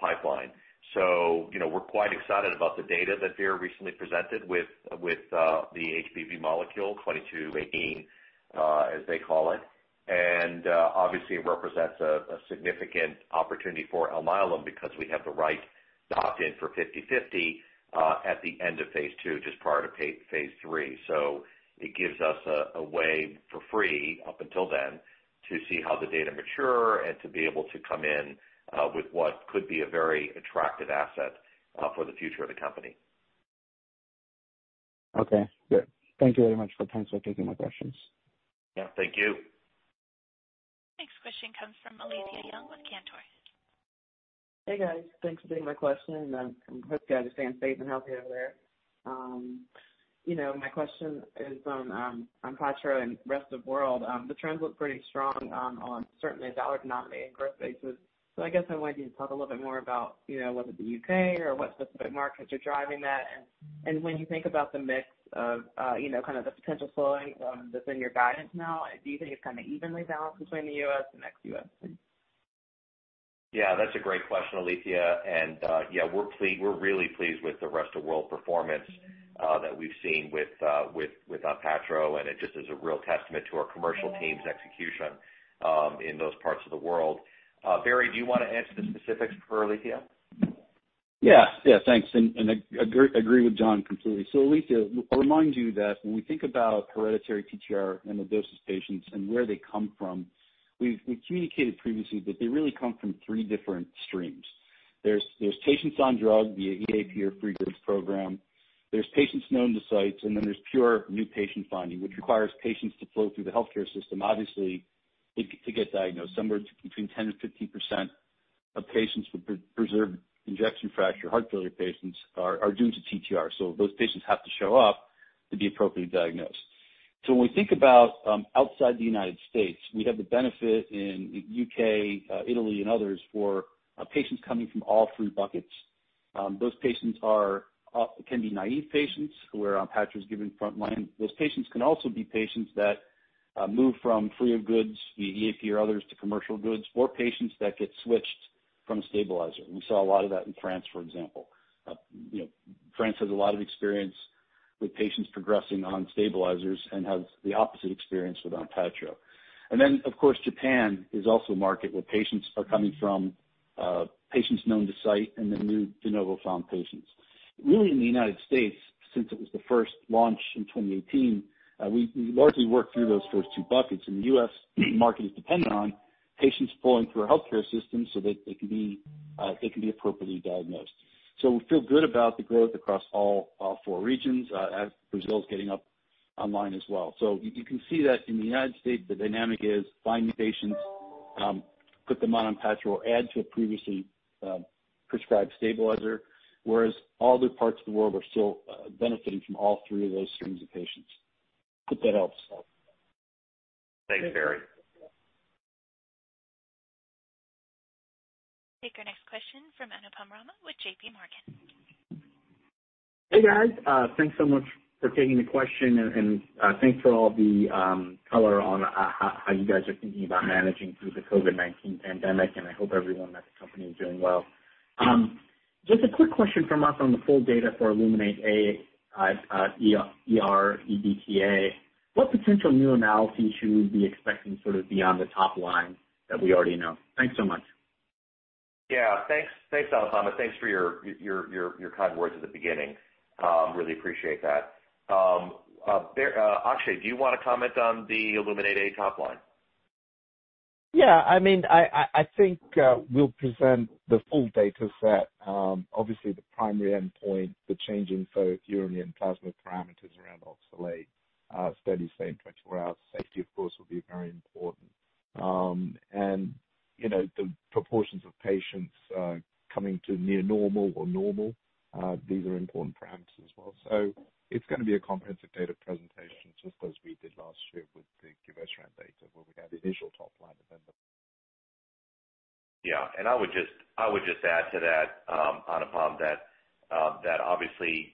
pipeline. So we're quite excited about the data that Vir recently presented with the HBV molecule, VIR-2218, as they call it. And obviously, it represents a significant opportunity for Alnylam because we have the right opt-in for 50/50 at the end of Phase II, just prior to Phase III. So it gives us a way for free up until then to see how the data mature and to be able to come in with what could be a very attractive asset for the future of the company. Okay. Good. Thank you very much for taking my questions. Yeah. Thank you. Next question comes from Alethia Young with Cantor. Hey, guys. Thanks for taking my question. I hope you guys are staying safe and healthy over there. My question is on ONPATTRO and rest of the world. The trends look pretty strong on certainly a dollar denominated growth basis. So I guess I wanted you to talk a little bit more about whether the U.K. or what specific markets are driving that. And when you think about the mix of kind of the potential slowing that's in your guidance now, do you think it's kind of evenly balanced between the U.S. and ex-U.S.? Yeah, that's a great question, Alethia. And yeah, we're really pleased with the rest of the world performance that we've seen with ONPATTRO. And it just is a real testament to our commercial team's execution in those parts of the world. Barry, do you want to answer the specifics for Alethia? Yeah. Yeah, thanks. And I agree with John completely. So Alethia, I'll remind you that when we think about hereditary TTR and those patients and where they come from, we've communicated previously that they really come from three different streams. There's patients on drug via EAP or free drug program. There's patients known to sites, and then there's pure new patient finding, which requires patients to flow through the healthcare system, obviously, to get diagnosed. Somewhere between 10% and 15% of patients with preserved ejection fraction heart failure patients are due to TTR. So those patients have to show up to be appropriately diagnosed. So when we think about outside the United States, we have the benefit in the U.K., Italy, and others for patients coming from all three buckets. Those patients can be naive patients where ONPATTRO is given frontline. Those patients can also be patients that move from free goods via EAP or others to commercial goods or patients that get switched from a stabilizer. We saw a lot of that in France, for example. France has a lot of experience with patients progressing on stabilizers and has the opposite experience with ONPATTRO, and then, of course, Japan is also a market where patients are coming from patients known to science and then new de novo found patients. Really, in the United States, since it was the first launch in 2018, we largely work through those first two buckets. In the U.S., the market is dependent on patients pulling through our healthcare system so that they can be appropriately diagnosed, so we feel good about the growth across all four regions, as Brazil is getting up and running as well. You can see that in the United States, the dynamic is find new patients, put them on ONPATTRO, or add to a previously prescribed stabilizer, whereas all the parts of the world are still benefiting from all three of those streams of patients. Hope that helps. Thanks, Barry. Take your next question from Anupam Rama with J.P. Morgan. Hey, guys. Thanks so much for taking the question, and thanks for all the color on how you guys are thinking about managing through the COVID-19 pandemic. I hope everyone at the company is doing well. Just a quick question from us on the full data for ILLUMINATE-A. What potential new analyses should we be expecting sort of beyond the top line that we already know? Thanks so much. Yeah. Thanks, Anupam. Thanks for your kind words at the beginning. Really appreciate that. Akshay, do you want to comment on ILLUMINATE-A top line? Yeah. I mean, I think we'll present the full data set. Obviously, the primary endpoint, the changing urine and plasma parameters around oxalate studies, same 24-hour safety, of course, will be very important. The proportions of patients coming to near normal or normal, these are important parameters as well. So it's going to be a comprehensive data presentation just as we did last year with the GIVLAARI data where we had the initial top line and then the. Yeah. And I would just add to that, Anupam Rama, that obviously,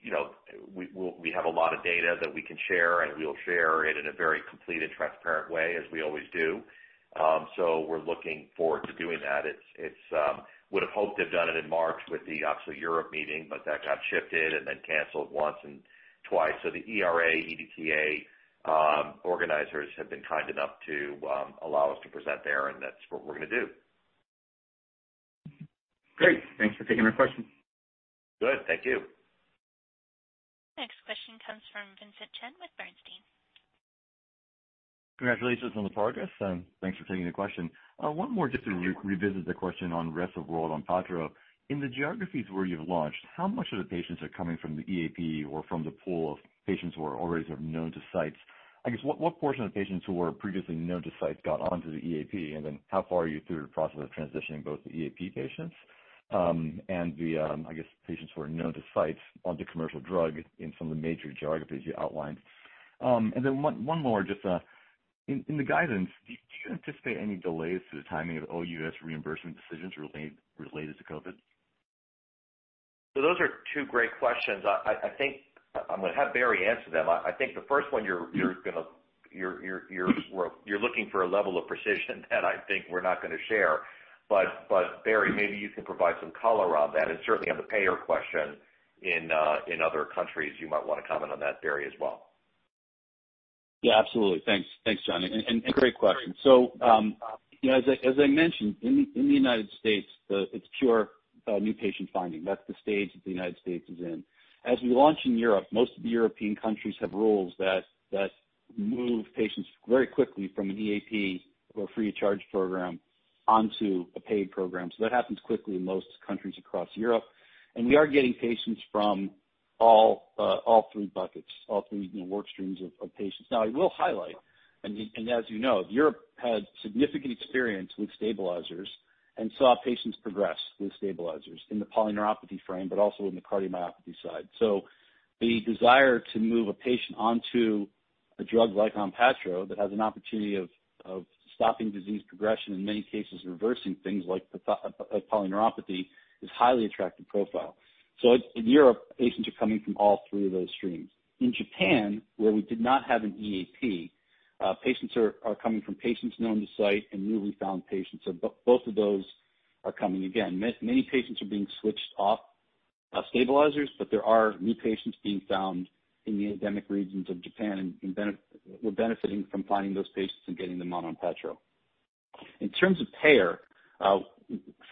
we have a lot of data that we can share, and we'll share it in a very complete and transparent way, as we always do. So we're looking forward to doing that. We would have hoped to have done it in March with the ERA-EDTA meeting, but that got shifted and then canceled once and twice. So the ERA-EDTA organizers have been kind enough to allow us to present there, and that's what we're going to do. Great. Thanks for taking my question. Good. Thank you. Next question comes from Vincent Chen with Bernstein. Congratulations on the progress, and thanks for taking the question. One more just to revisit the question on rest of world ONPATTRO. In the geographies where you've launched, how much of the patients are coming from the EAP or from the pool of patients who are already sort of known to sites? I guess, what portion of the patients who were previously known to sites got onto the EAP? And then how far are you through the process of transitioning both the EAP patients and the, I guess, patients who are known to sites onto commercial drug in some of the major geographies you outlined? And then one more, just in the guidance, do you anticipate any delays to the timing of OUS reimbursement decisions related to COVID? Those are two great questions. I think I'm going to have Barry answer them. I think the first one, you're looking for a level of precision that I think we're not going to share. But Barry, maybe you can provide some color on that. And certainly, on the payer question in other countries, you might want to comment on that, Barry, as well. Yeah, absolutely. Thanks, John, and great question. So as I mentioned, in the United States, it's pure new patient finding. That's the stage that the United States is in. As we launch in Europe, most of the European countries have rules that move patients very quickly from an EAP or free of charge program onto a paid program. So that happens quickly in most countries across Europe. And we are getting patients from all three buckets, all three work streams of patients. Now, I will highlight, and as you know, Europe had significant experience with stabilizers and saw patients progress with stabilizers in the polyneuropathy frame, but also in the cardiomyopathy side. So the desire to move a patient onto a drug like ONPATTRO that has an opportunity of stopping disease progression and, in many cases, reversing things like polyneuropathy is a highly attractive profile. So in Europe, patients are coming from all three of those streams. In Japan, where we did not have an EAP, patients are coming from patients known to site and newly found patients. So both of those are coming again. Many patients are being switched off stabilizers, but there are new patients being found in the endemic regions of Japan and we're benefiting from finding those patients and getting them on ONPATTRO. In terms of payer,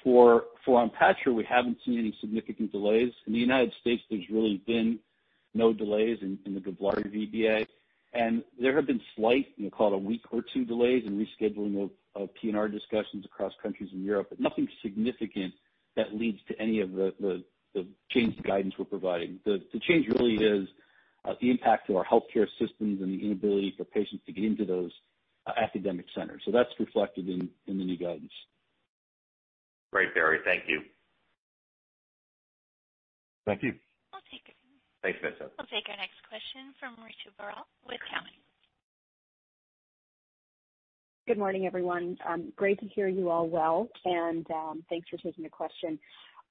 for ONPATTRO, we haven't seen any significant delays. In the United States, there's really been no delays in the GIVLAARI VBA. And there have been slight, we'll call it a week or two delays in rescheduling of P&R discussions across countries in Europe, but nothing significant that leads to any of the change in guidance we're providing. The change really is the impact to our healthcare systems and the inability for patients to get into those academic centers, so that's reflected in the new guidance. Great, Barry. Thank you. Thank you. I'll take yours. Thanks, Vincent. We'll take our next question from Ritu Baral with Cowen. Good morning, everyone. Great to hear you all well, and thanks for taking the question.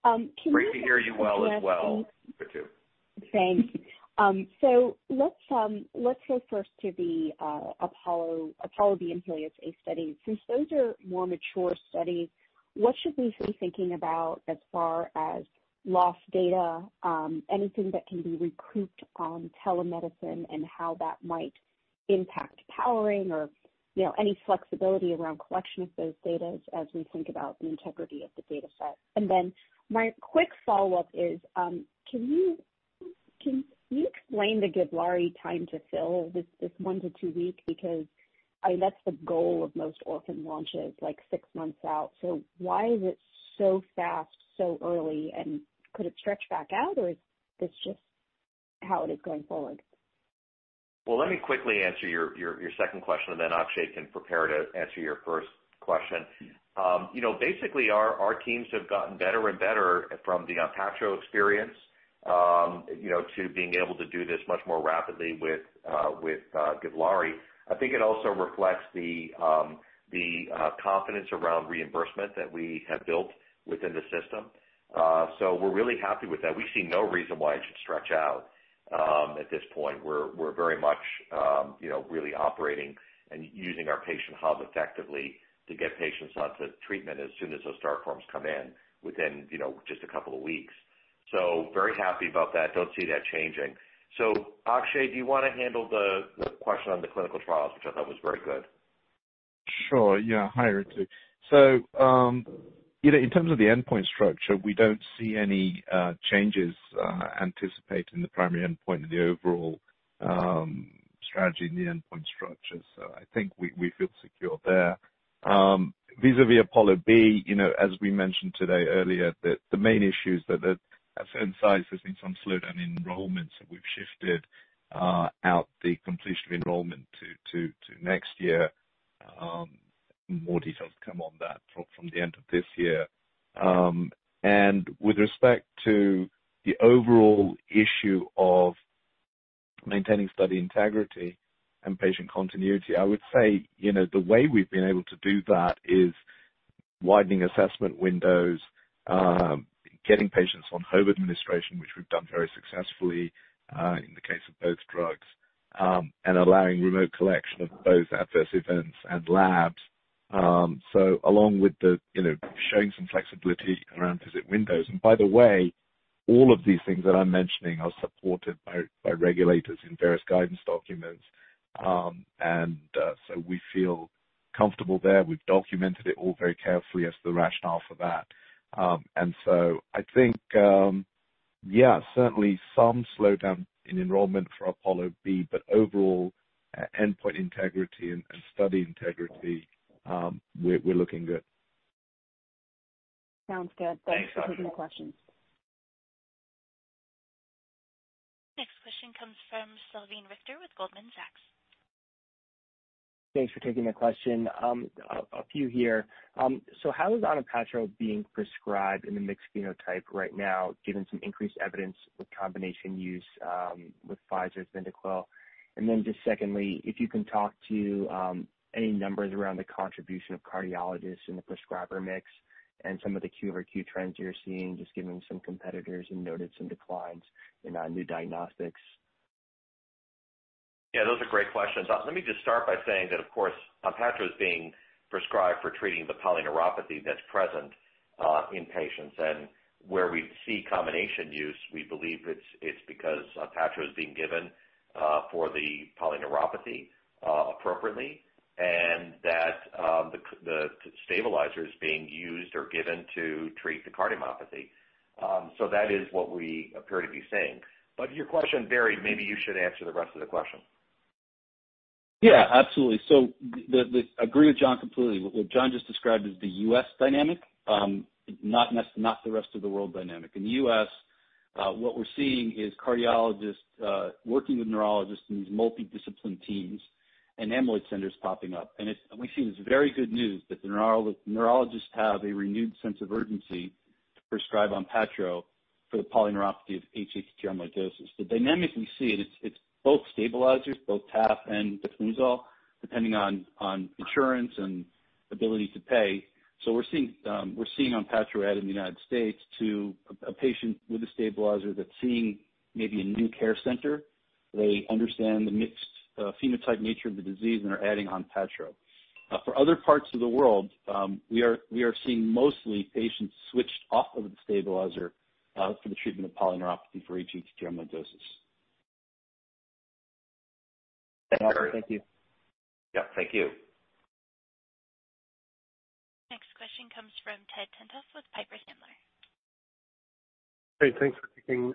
Great to hear you're well as well. Ritu. Thanks. So let's go first to the APOLLO B and HELIOS-A studies. Since those are more mature studies, what should we be thinking about as far as lost data, anything that can be recouped on telemedicine, and how that might impact powering or any flexibility around collection of those data as we think about the integrity of the data set? And then my quick follow-up is, can you explain the GIVLAARI time to fill, this one- to two-week? Because that's the goal of most orphan launches, like six months out. So why is it so fast, so early? And could it stretch back out, or is this just how it is going forward? Let me quickly answer your second question, and then Akshay can prepare to answer your first question. Basically, our teams have gotten better and better from the ONPATTRO experience to being able to do this much more rapidly with GIVLAARI. I think it also reflects the confidence around reimbursement that we have built within the system. So we're really happy with that. We see no reason why it should stretch out at this point. We're very much really operating and using our patient hub effectively to get patients onto treatment as soon as those star forms come in within just a couple of weeks. So very happy about that. Don't see that changing. So Akshay, do you want to handle the question on the clinical trials, which I thought was very good? Sure. Yeah. Hi, Richard. So in terms of the endpoint structure, we don't see any changes anticipated in the primary endpoint and the overall strategy in the endpoint structure. So I think we feel secure there. Vis-à-vis APOLLO B, as we mentioned today earlier, the main issue is that at certain sites, there's been some slowdown in enrollment, so we've shifted out the completion of enrollment to next year. More details come on that from the end of this year. And with respect to the overall issue of maintaining study integrity and patient continuity, I would say the way we've been able to do that is widening assessment windows, getting patients on home administration, which we've done very successfully in the case of both drugs, and allowing remote collection of both adverse events and labs. So along with showing some flexibility around visit windows. By the way, all of these things that I'm mentioning are supported by regulators in various guidance documents. So we feel comfortable there. We've documented it all very carefully as the rationale for that. So I think, yeah, certainly some slowdown in enrollment for APOLLO B, but overall, endpoint integrity and study integrity, we're looking good. Sounds good. Thanks for taking the questions. Next question comes from Salveen Richter with Goldman Sachs. Thanks for taking the question. A few here. So how is ONPATTRO being prescribed in the mixed phenotype right now, given some increased evidence with combination use with Pfizer's VYNDAQEL? And then just secondly, if you can talk to any numbers around the contribution of cardiologists in the prescriber mix and some of the Q over Q trends you're seeing, just given some competitors and noted some declines in new diagnostics. Yeah, those are great questions. Let me just start by saying that, of course, ONPATTRO is being prescribed for treating the polyneuropathy that's present in patients. And where we see combination use, we believe it's because ONPATTRO is being given for the polyneuropathy appropriately and that the stabilizer is being used or given to treat the cardiomyopathy. So that is what we appear to be seeing. But your question, Barry, maybe you should answer the rest of the question. Yeah, absolutely. I agree with John completely. What John just described is the U.S. dynamic, not the rest of the world dynamic. In the U.S., what we're seeing is cardiologists working with neurologists in these multidisciplinary teams and amyloid centers popping up. We see this very good news that the neurologists have a renewed sense of urgency to prescribe ONPATTRO for the polyneuropathy of hATTR amyloidosis. The dynamic we see, it's both stabilizers, both TAF and diflunisal, depending on insurance and ability to pay. We're seeing ONPATTRO added in the United States to a patient with a stabilizer that's seeing maybe a new care center. They understand the mixed phenotype nature of the disease and are adding ONPATTRO. For other parts of the world, we are seeing mostly patients switched off of the stabilizer for the treatment of polyneuropathy for hATTR amyloidosis. Thank you. Yeah, thank you. Next question comes from Ted Tenthoff with Piper Sandler. Hey, thanks for taking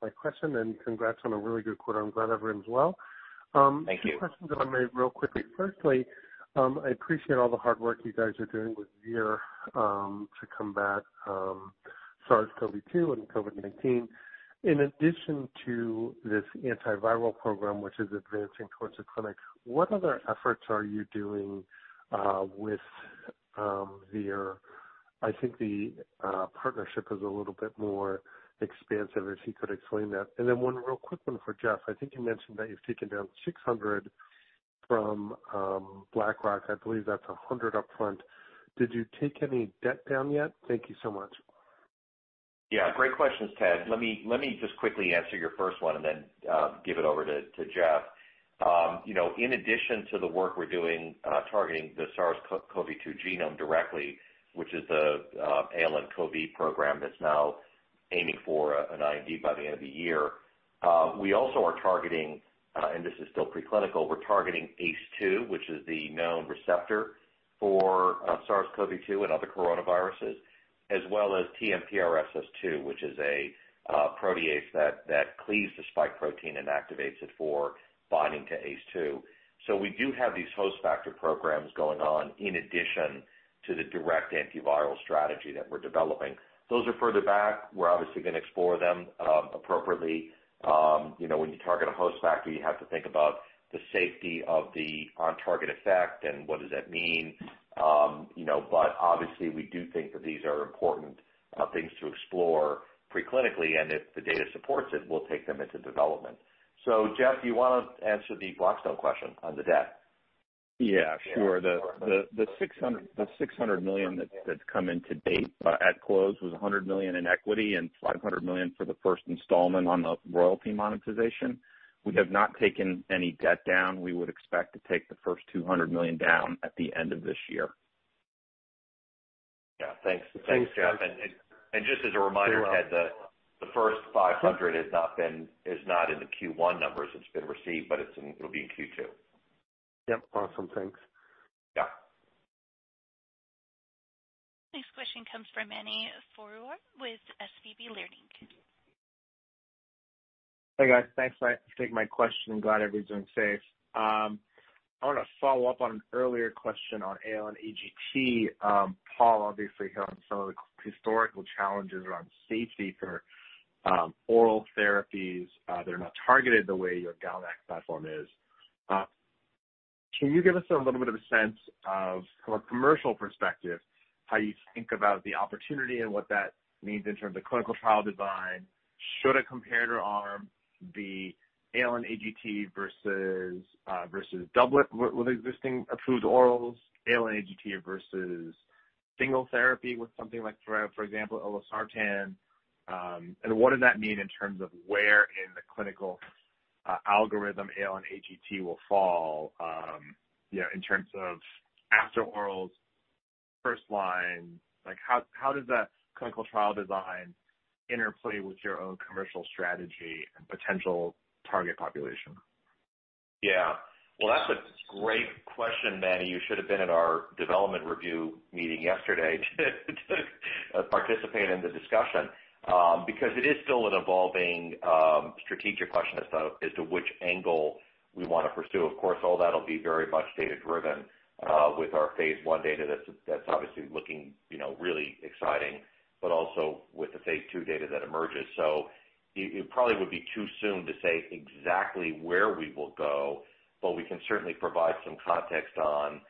my question, and congrats on a really good quarter. I'm glad everyone's well. Thank you. Two questions that I made real quickly. Firstly, I appreciate all the hard work you guys are doing with Vir to combat SARS-CoV-2 and COVID-19. In addition to this antiviral program, which is advancing towards the clinic, what other efforts are you doing with Vir? I think the partnership is a little bit more expansive, if you could explain that. And then one real quick one for Jeff. I think you mentioned that you've taken down $600 million from Blackstone. I believe that's $100 million upfront. Did you take any debt down yet? Thank you so much. Yeah. Great questions, Ted. Let me just quickly answer your first one and then give it over to Jeff. In addition to the work we're doing targeting the SARS-CoV-2 genome directly, which is the ALN-CoV program that's now aiming for an IND by the end of the year, we also are targeting, and this is still preclinical, we're targeting ACE2, which is the known receptor for SARS-CoV-2 and other coronaviruses, as well as TMPRSS2, which is a protease that cleaves the spike protein and activates it for binding to ACE2. So we do have these host factor programs going on in addition to the direct antiviral strategy that we're developing. Those are further back. We're obviously going to explore them appropriately. When you target a host factor, you have to think about the safety of the on-target effect and what does that mean. But obviously, we do think that these are important things to explore preclinically. And if the data supports it, we'll take them into development. So Jeff, do you want to answer the Blackstone question on the debt? Yeah, sure. The $600 million that's come in to date at close was $100 million in equity and $500 million for the first installment on the royalty monetization. We have not taken any debt down. We would expect to take the first $200 million down at the end of this year. Yeah. Thanks, Jeff. And just as a reminder, Ted, the first 500 is not in the Q1 numbers that's been received, but it'll be in Q2. Yep. Awesome. Thanks. Next question comes from Mani Foroohar with SVB Leerink. Hey, guys. Thanks for taking my question. Glad everybody's doing safe. I want to follow up on an earlier question on ALN-AGT. Paul, obviously, here on some of the historical challenges around safety for oral therapies that are not targeted the way your GalNAc platform is. Can you give us a little bit of a sense of, from a commercial perspective, how you think about the opportunity and what that means in terms of clinical trial design? Should a competitor arm be ALN-AGT versus doublet with existing approved orals, ALN-AGT versus single therapy with something like, for example, losartan? And what does that mean in terms of where in the clinical algorithm ALN-AGT will fall in terms of after orals, first line? How does that clinical trial design interplay with your own commercial strategy and potential target population? Yeah, well, that's a great question, Mani. You should have been at our development review meeting yesterday to participate in the discussion because it is still an evolving strategic question as to which angle we want to pursue. Of course, all that will be very much data-driven with our Phase I data that's obviously looking really exciting, but also with the Phase II data that emerges. So it probably would be too soon to say exactly where we will go, but we can certainly provide some context on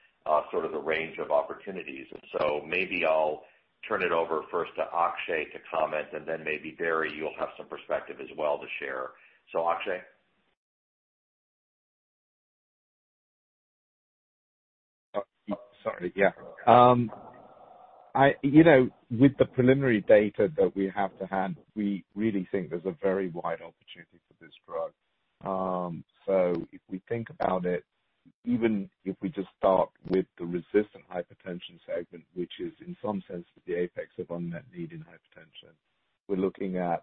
sort of the range of opportunities, and so maybe I'll turn it over first to Akshay to comment, and then maybe Barry, you'll have some perspective as well to share, so Akshay? Sorry. Yeah. With the preliminary data that we have to hand, we really think there's a very wide opportunity for this drug, so if we think about it, even if we just start with the resistant hypertension segment, which is in some sense the apex of unmet need in hypertension, we're looking at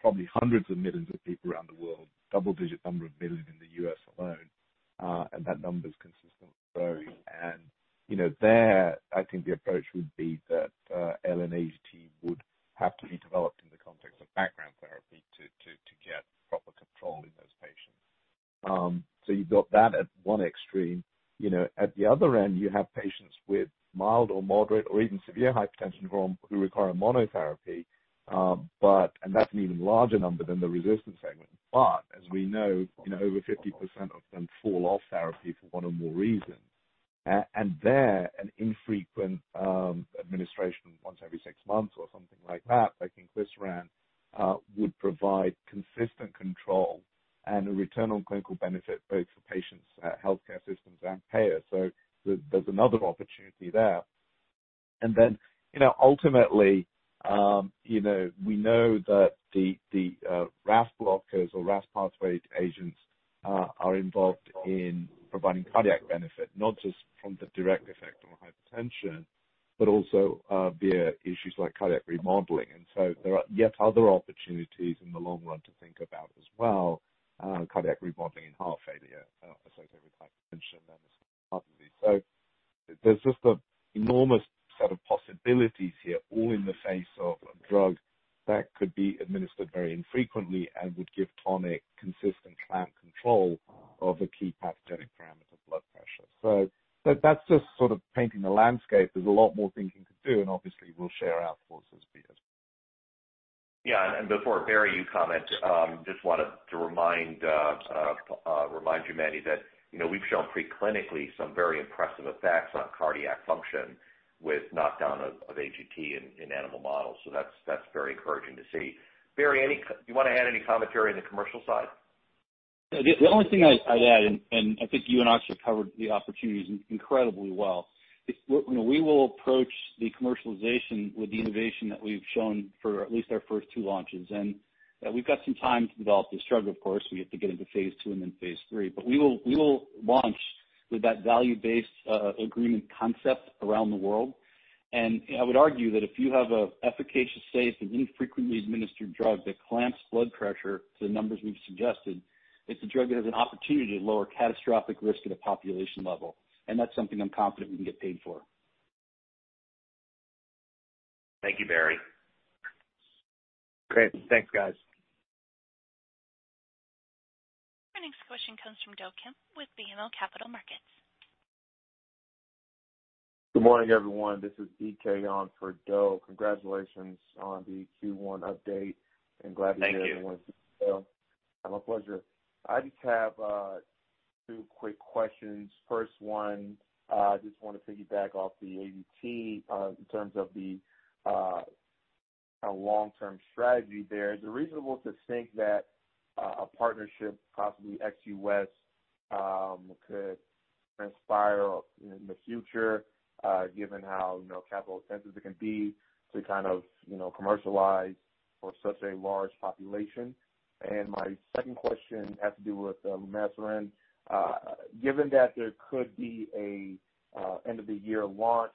probably hundreds of millions of people around the world, double-digit number of millions in the U.S. alone, and that number is consistently growing, and there, I think the approach would be that ALN-AGT would have to be developed in the context of background therapy to get proper control in those patients, so you've got that at one extreme. At the other end, you have patients with mild or moderate or even severe hypertension who require monotherapy, and that's an even larger number than the resistant segment. As we know, over 50% of them fall off therapy for one or more reasons. There, an infrequent administration once every six months or something like that, like inclisiran, would provide consistent control and a return on clinical benefit both for patients, healthcare systems, and payers. There's another opportunity there. Then ultimately, we know that the RAS blockers or RAS pathway agents are involved in providing cardiac benefit, not just from the direct effect on hypertension, but also via issues like cardiac remodeling. So there are yet other opportunities in the long run to think about as well, cardiac remodeling and heart failure associated with hypertension and heart disease. So there's just an enormous set of possibilities here, all in the face of a drug that could be administered very infrequently and would give tonic, consistent clamp control of a key pathogenic parameter of blood pressure. So that's just sort of painting the landscape. There's a lot more thinking to do, and obviously, we'll share our thoughts as we get. Yeah, and before Barry, you comment, just wanted to remind you, Mani, that we've shown preclinically some very impressive effects on cardiac function with knockdown of AGT in animal models, so that's very encouraging to see. Barry, do you want to add any commentary on the commercial side? The only thing I'd add, and I think you and Akshay covered the opportunities incredibly well, is we will approach the commercialization with the innovation that we've shown for at least our first two launches, and we've got some time to develop this drug, of course. We have to get into Phase II and then Phase III, but we will launch with that value-based agreement concept around the world. And I would argue that if you have an efficacious, safe, and infrequently administered drug that clamps blood pressure to the numbers we've suggested, it's a drug that has an opportunity to lower catastrophic risk at a population level, and that's something I'm confident we can get paid for. Thank you, Barry. Great. Thanks, guys. Next question comes from Do Kim with BMO Capital Markets. Good morning, everyone. This is Alethia Young for Do Kim. Congratulations on the Q1 update, and glad to hear everyone's doing well. It's a pleasure. I just have two quick questions. First one, I just want to piggyback off the AGT in terms of the long-term strategy there. Is it reasonable to think that a partnership, possibly ex-US, could transpire in the future, given how capital-intensive it can be to kind of commercialize for such a large population? And my second question has to do with Lumasiran. Given that there could be an end-of-the-year launch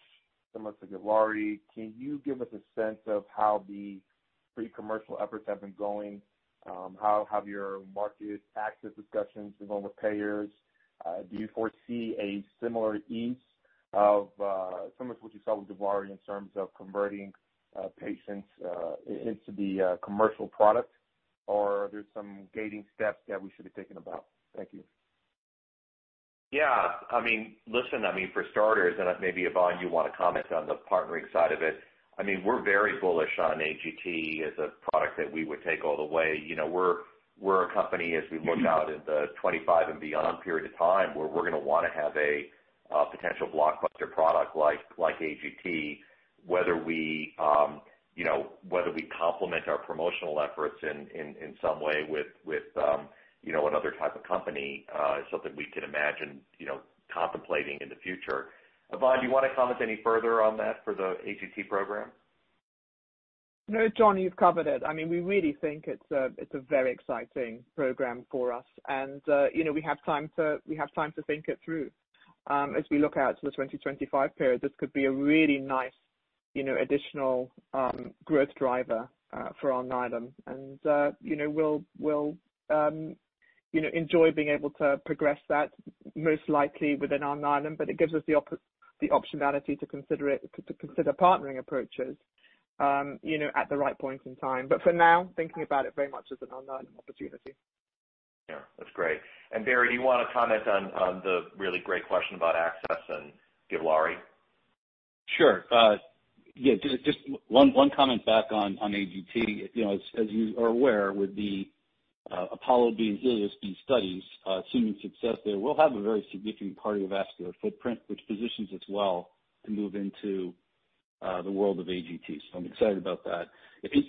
similar to GIVLAARI, can you give us a sense of how the pre-commercial efforts have been going? How have your market access discussions been going with payers? Do you foresee a similar ease or similar to what you saw with GIVLAARI in terms of converting patients into the commercial product, or are there some gating steps that we should be thinking about? Thank you. Yeah. I mean, listen, I mean, for starters, and maybe Yvonne, you want to comment on the partnering side of it. I mean, we're very bullish on AGT as a product that we would take all the way. We're a company, as we look out in the 25 and beyond period of time, where we're going to want to have a potential blockbuster product like AGT, whether we complement our promotional efforts in some way with another type of company is something we can imagine contemplating in the future. Yvonne, do you want to comment any further on that for the AGT program? No, John, you've covered it. I mean, we really think it's a very exciting program for us, and we have time to think it through as we look out to the 2025 period. This could be a really nice additional growth driver for our Alnylam, and we'll enjoy being able to progress that most likely within our Alnylam, but it gives us the optionality to consider partnering approaches at the right point in time, but for now, thinking about it very much as an Alnylam opportunity. Yeah. That's great. And Barry, do you want to comment on the really great question about access and GIVLAARI? Sure. Yeah. Just one comment back on AGT. As you are aware, with APOLLO B being here and these studies, assuming success there, we'll have a very significant cardiovascular footprint, which positions us well to move into the world of AGT. So I'm excited about that.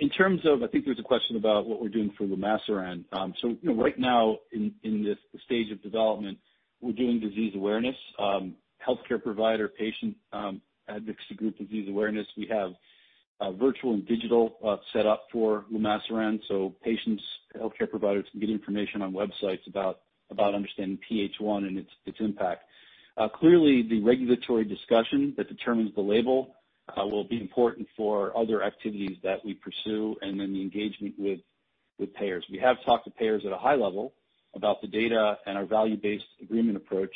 In terms of, I think there's a question about what we're doing for Lumasiran. So right now, in the stage of development, we're doing disease awareness, healthcare provider, patient advocacy group disease awareness. We have virtual and digital set up for Lumasiran, so patients, healthcare providers can get information on websites about understanding PH1 and its impact. Clearly, the regulatory discussion that determines the label will be important for other activities that we pursue, and then the engagement with payers. We have talked to payers at a high level about the data and our value-based agreement approach,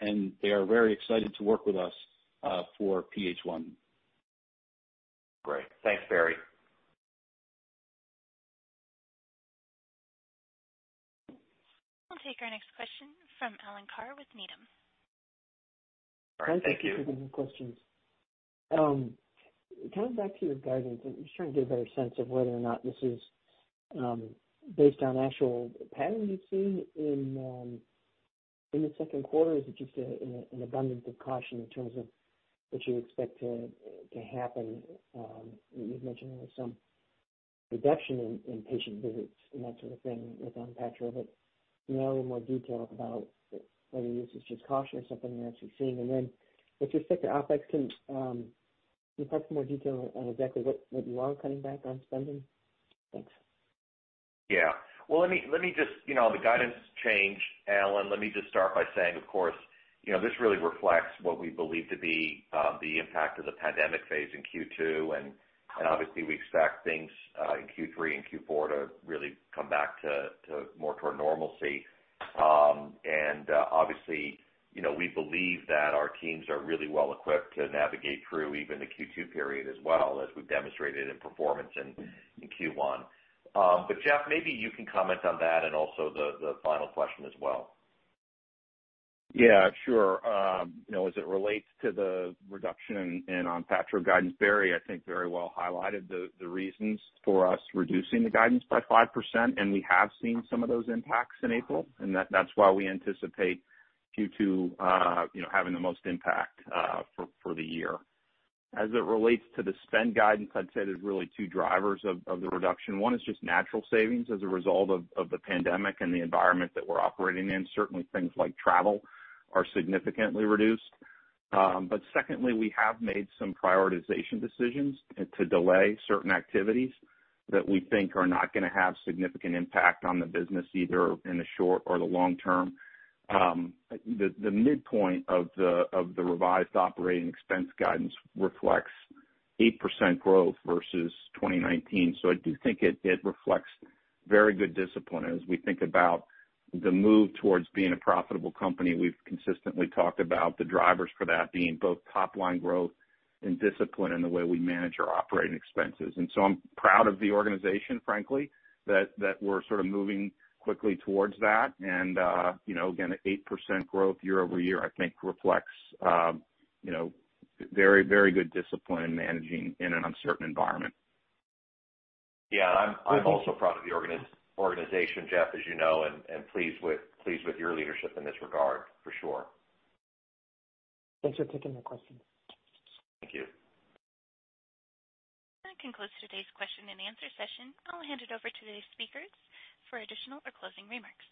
and they are very excited to work with us for PH1. Great. Thanks, Barry. We'll take our next question from Alan Carr with Needham. Thank you for the questions. Kind of back to your guidance, I'm just trying to get a better sense of whether or not this is based on actual pattern you've seen in the second quarter. Is it just an abundance of caution in terms of what you expect to happen? You've mentioned there was some reduction in patient visits and that sort of thing with ONPATTRO, but no more detail about whether this is just caution or something you're actually seeing. And then with respect to OpEx, can you talk in more detail on exactly what you are cutting back on spending? Thanks. Yeah. Well, let me just, the guidance change, Alan, let me just start by saying, of course, this really reflects what we believe to be the impact of the pandemic phase in Q2. And obviously, we expect things in Q3 and Q4 to really come back more toward normalcy. And obviously, we believe that our teams are really well equipped to navigate through even the Q2 period as well, as we've demonstrated in performance in Q1. But Jeff, maybe you can comment on that and also the final question as well. Yeah. Sure. As it relates to the reduction in ONPATTRO guidance, Barry, I think very well highlighted the reasons for us reducing the guidance by 5%. We have seen some of those impacts in April, and that's why we anticipate Q2 having the most impact for the year. As it relates to the spend guidance, I'd say there's really two drivers of the reduction. One is just natural savings as a result of the pandemic and the environment that we're operating in. Certainly, things like travel are significantly reduced. But secondly, we have made some prioritization decisions to delay certain activities that we think are not going to have significant impact on the business either in the short or the long term. The midpoint of the revised operating expense guidance reflects 8% growth versus 2019. So I do think it reflects very good discipline. As we think about the move towards being a profitable company, we've consistently talked about the drivers for that being both top-line growth and discipline in the way we manage our operating expenses, and so I'm proud of the organization, frankly, that we're sort of moving quickly towards that, and again, 8% growth year over year, I think, reflects very, very good discipline in managing in an uncertain environment. Yeah. I'm also proud of the organization, Jeff, as you know, and pleased with your leadership in this regard, for sure. Thanks for taking my question. Thank you. That concludes today's question and answer session. I'll hand it over to today's speakers for additional or closing remarks.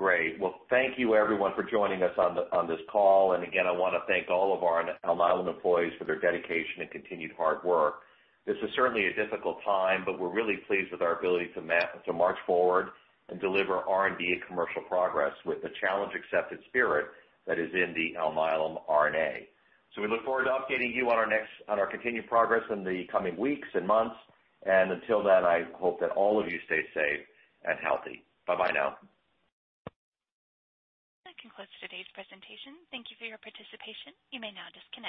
Great. Well, thank you, everyone, for joining us on this call. And again, I want to thank all of our Alnylam employees for their dedication and continued hard work. This is certainly a difficult time, but we're really pleased with our ability to march forward and deliver R&D and commercial progress with the challenge-accepted spirit that is in the Alnylam R&D. So we look forward to updating you on our continued progress in the coming weeks and months. And until then, I hope that all of you stay safe and healthy. Bye-bye now. That concludes today's presentation. Thank you for your participation. You may now disconnect.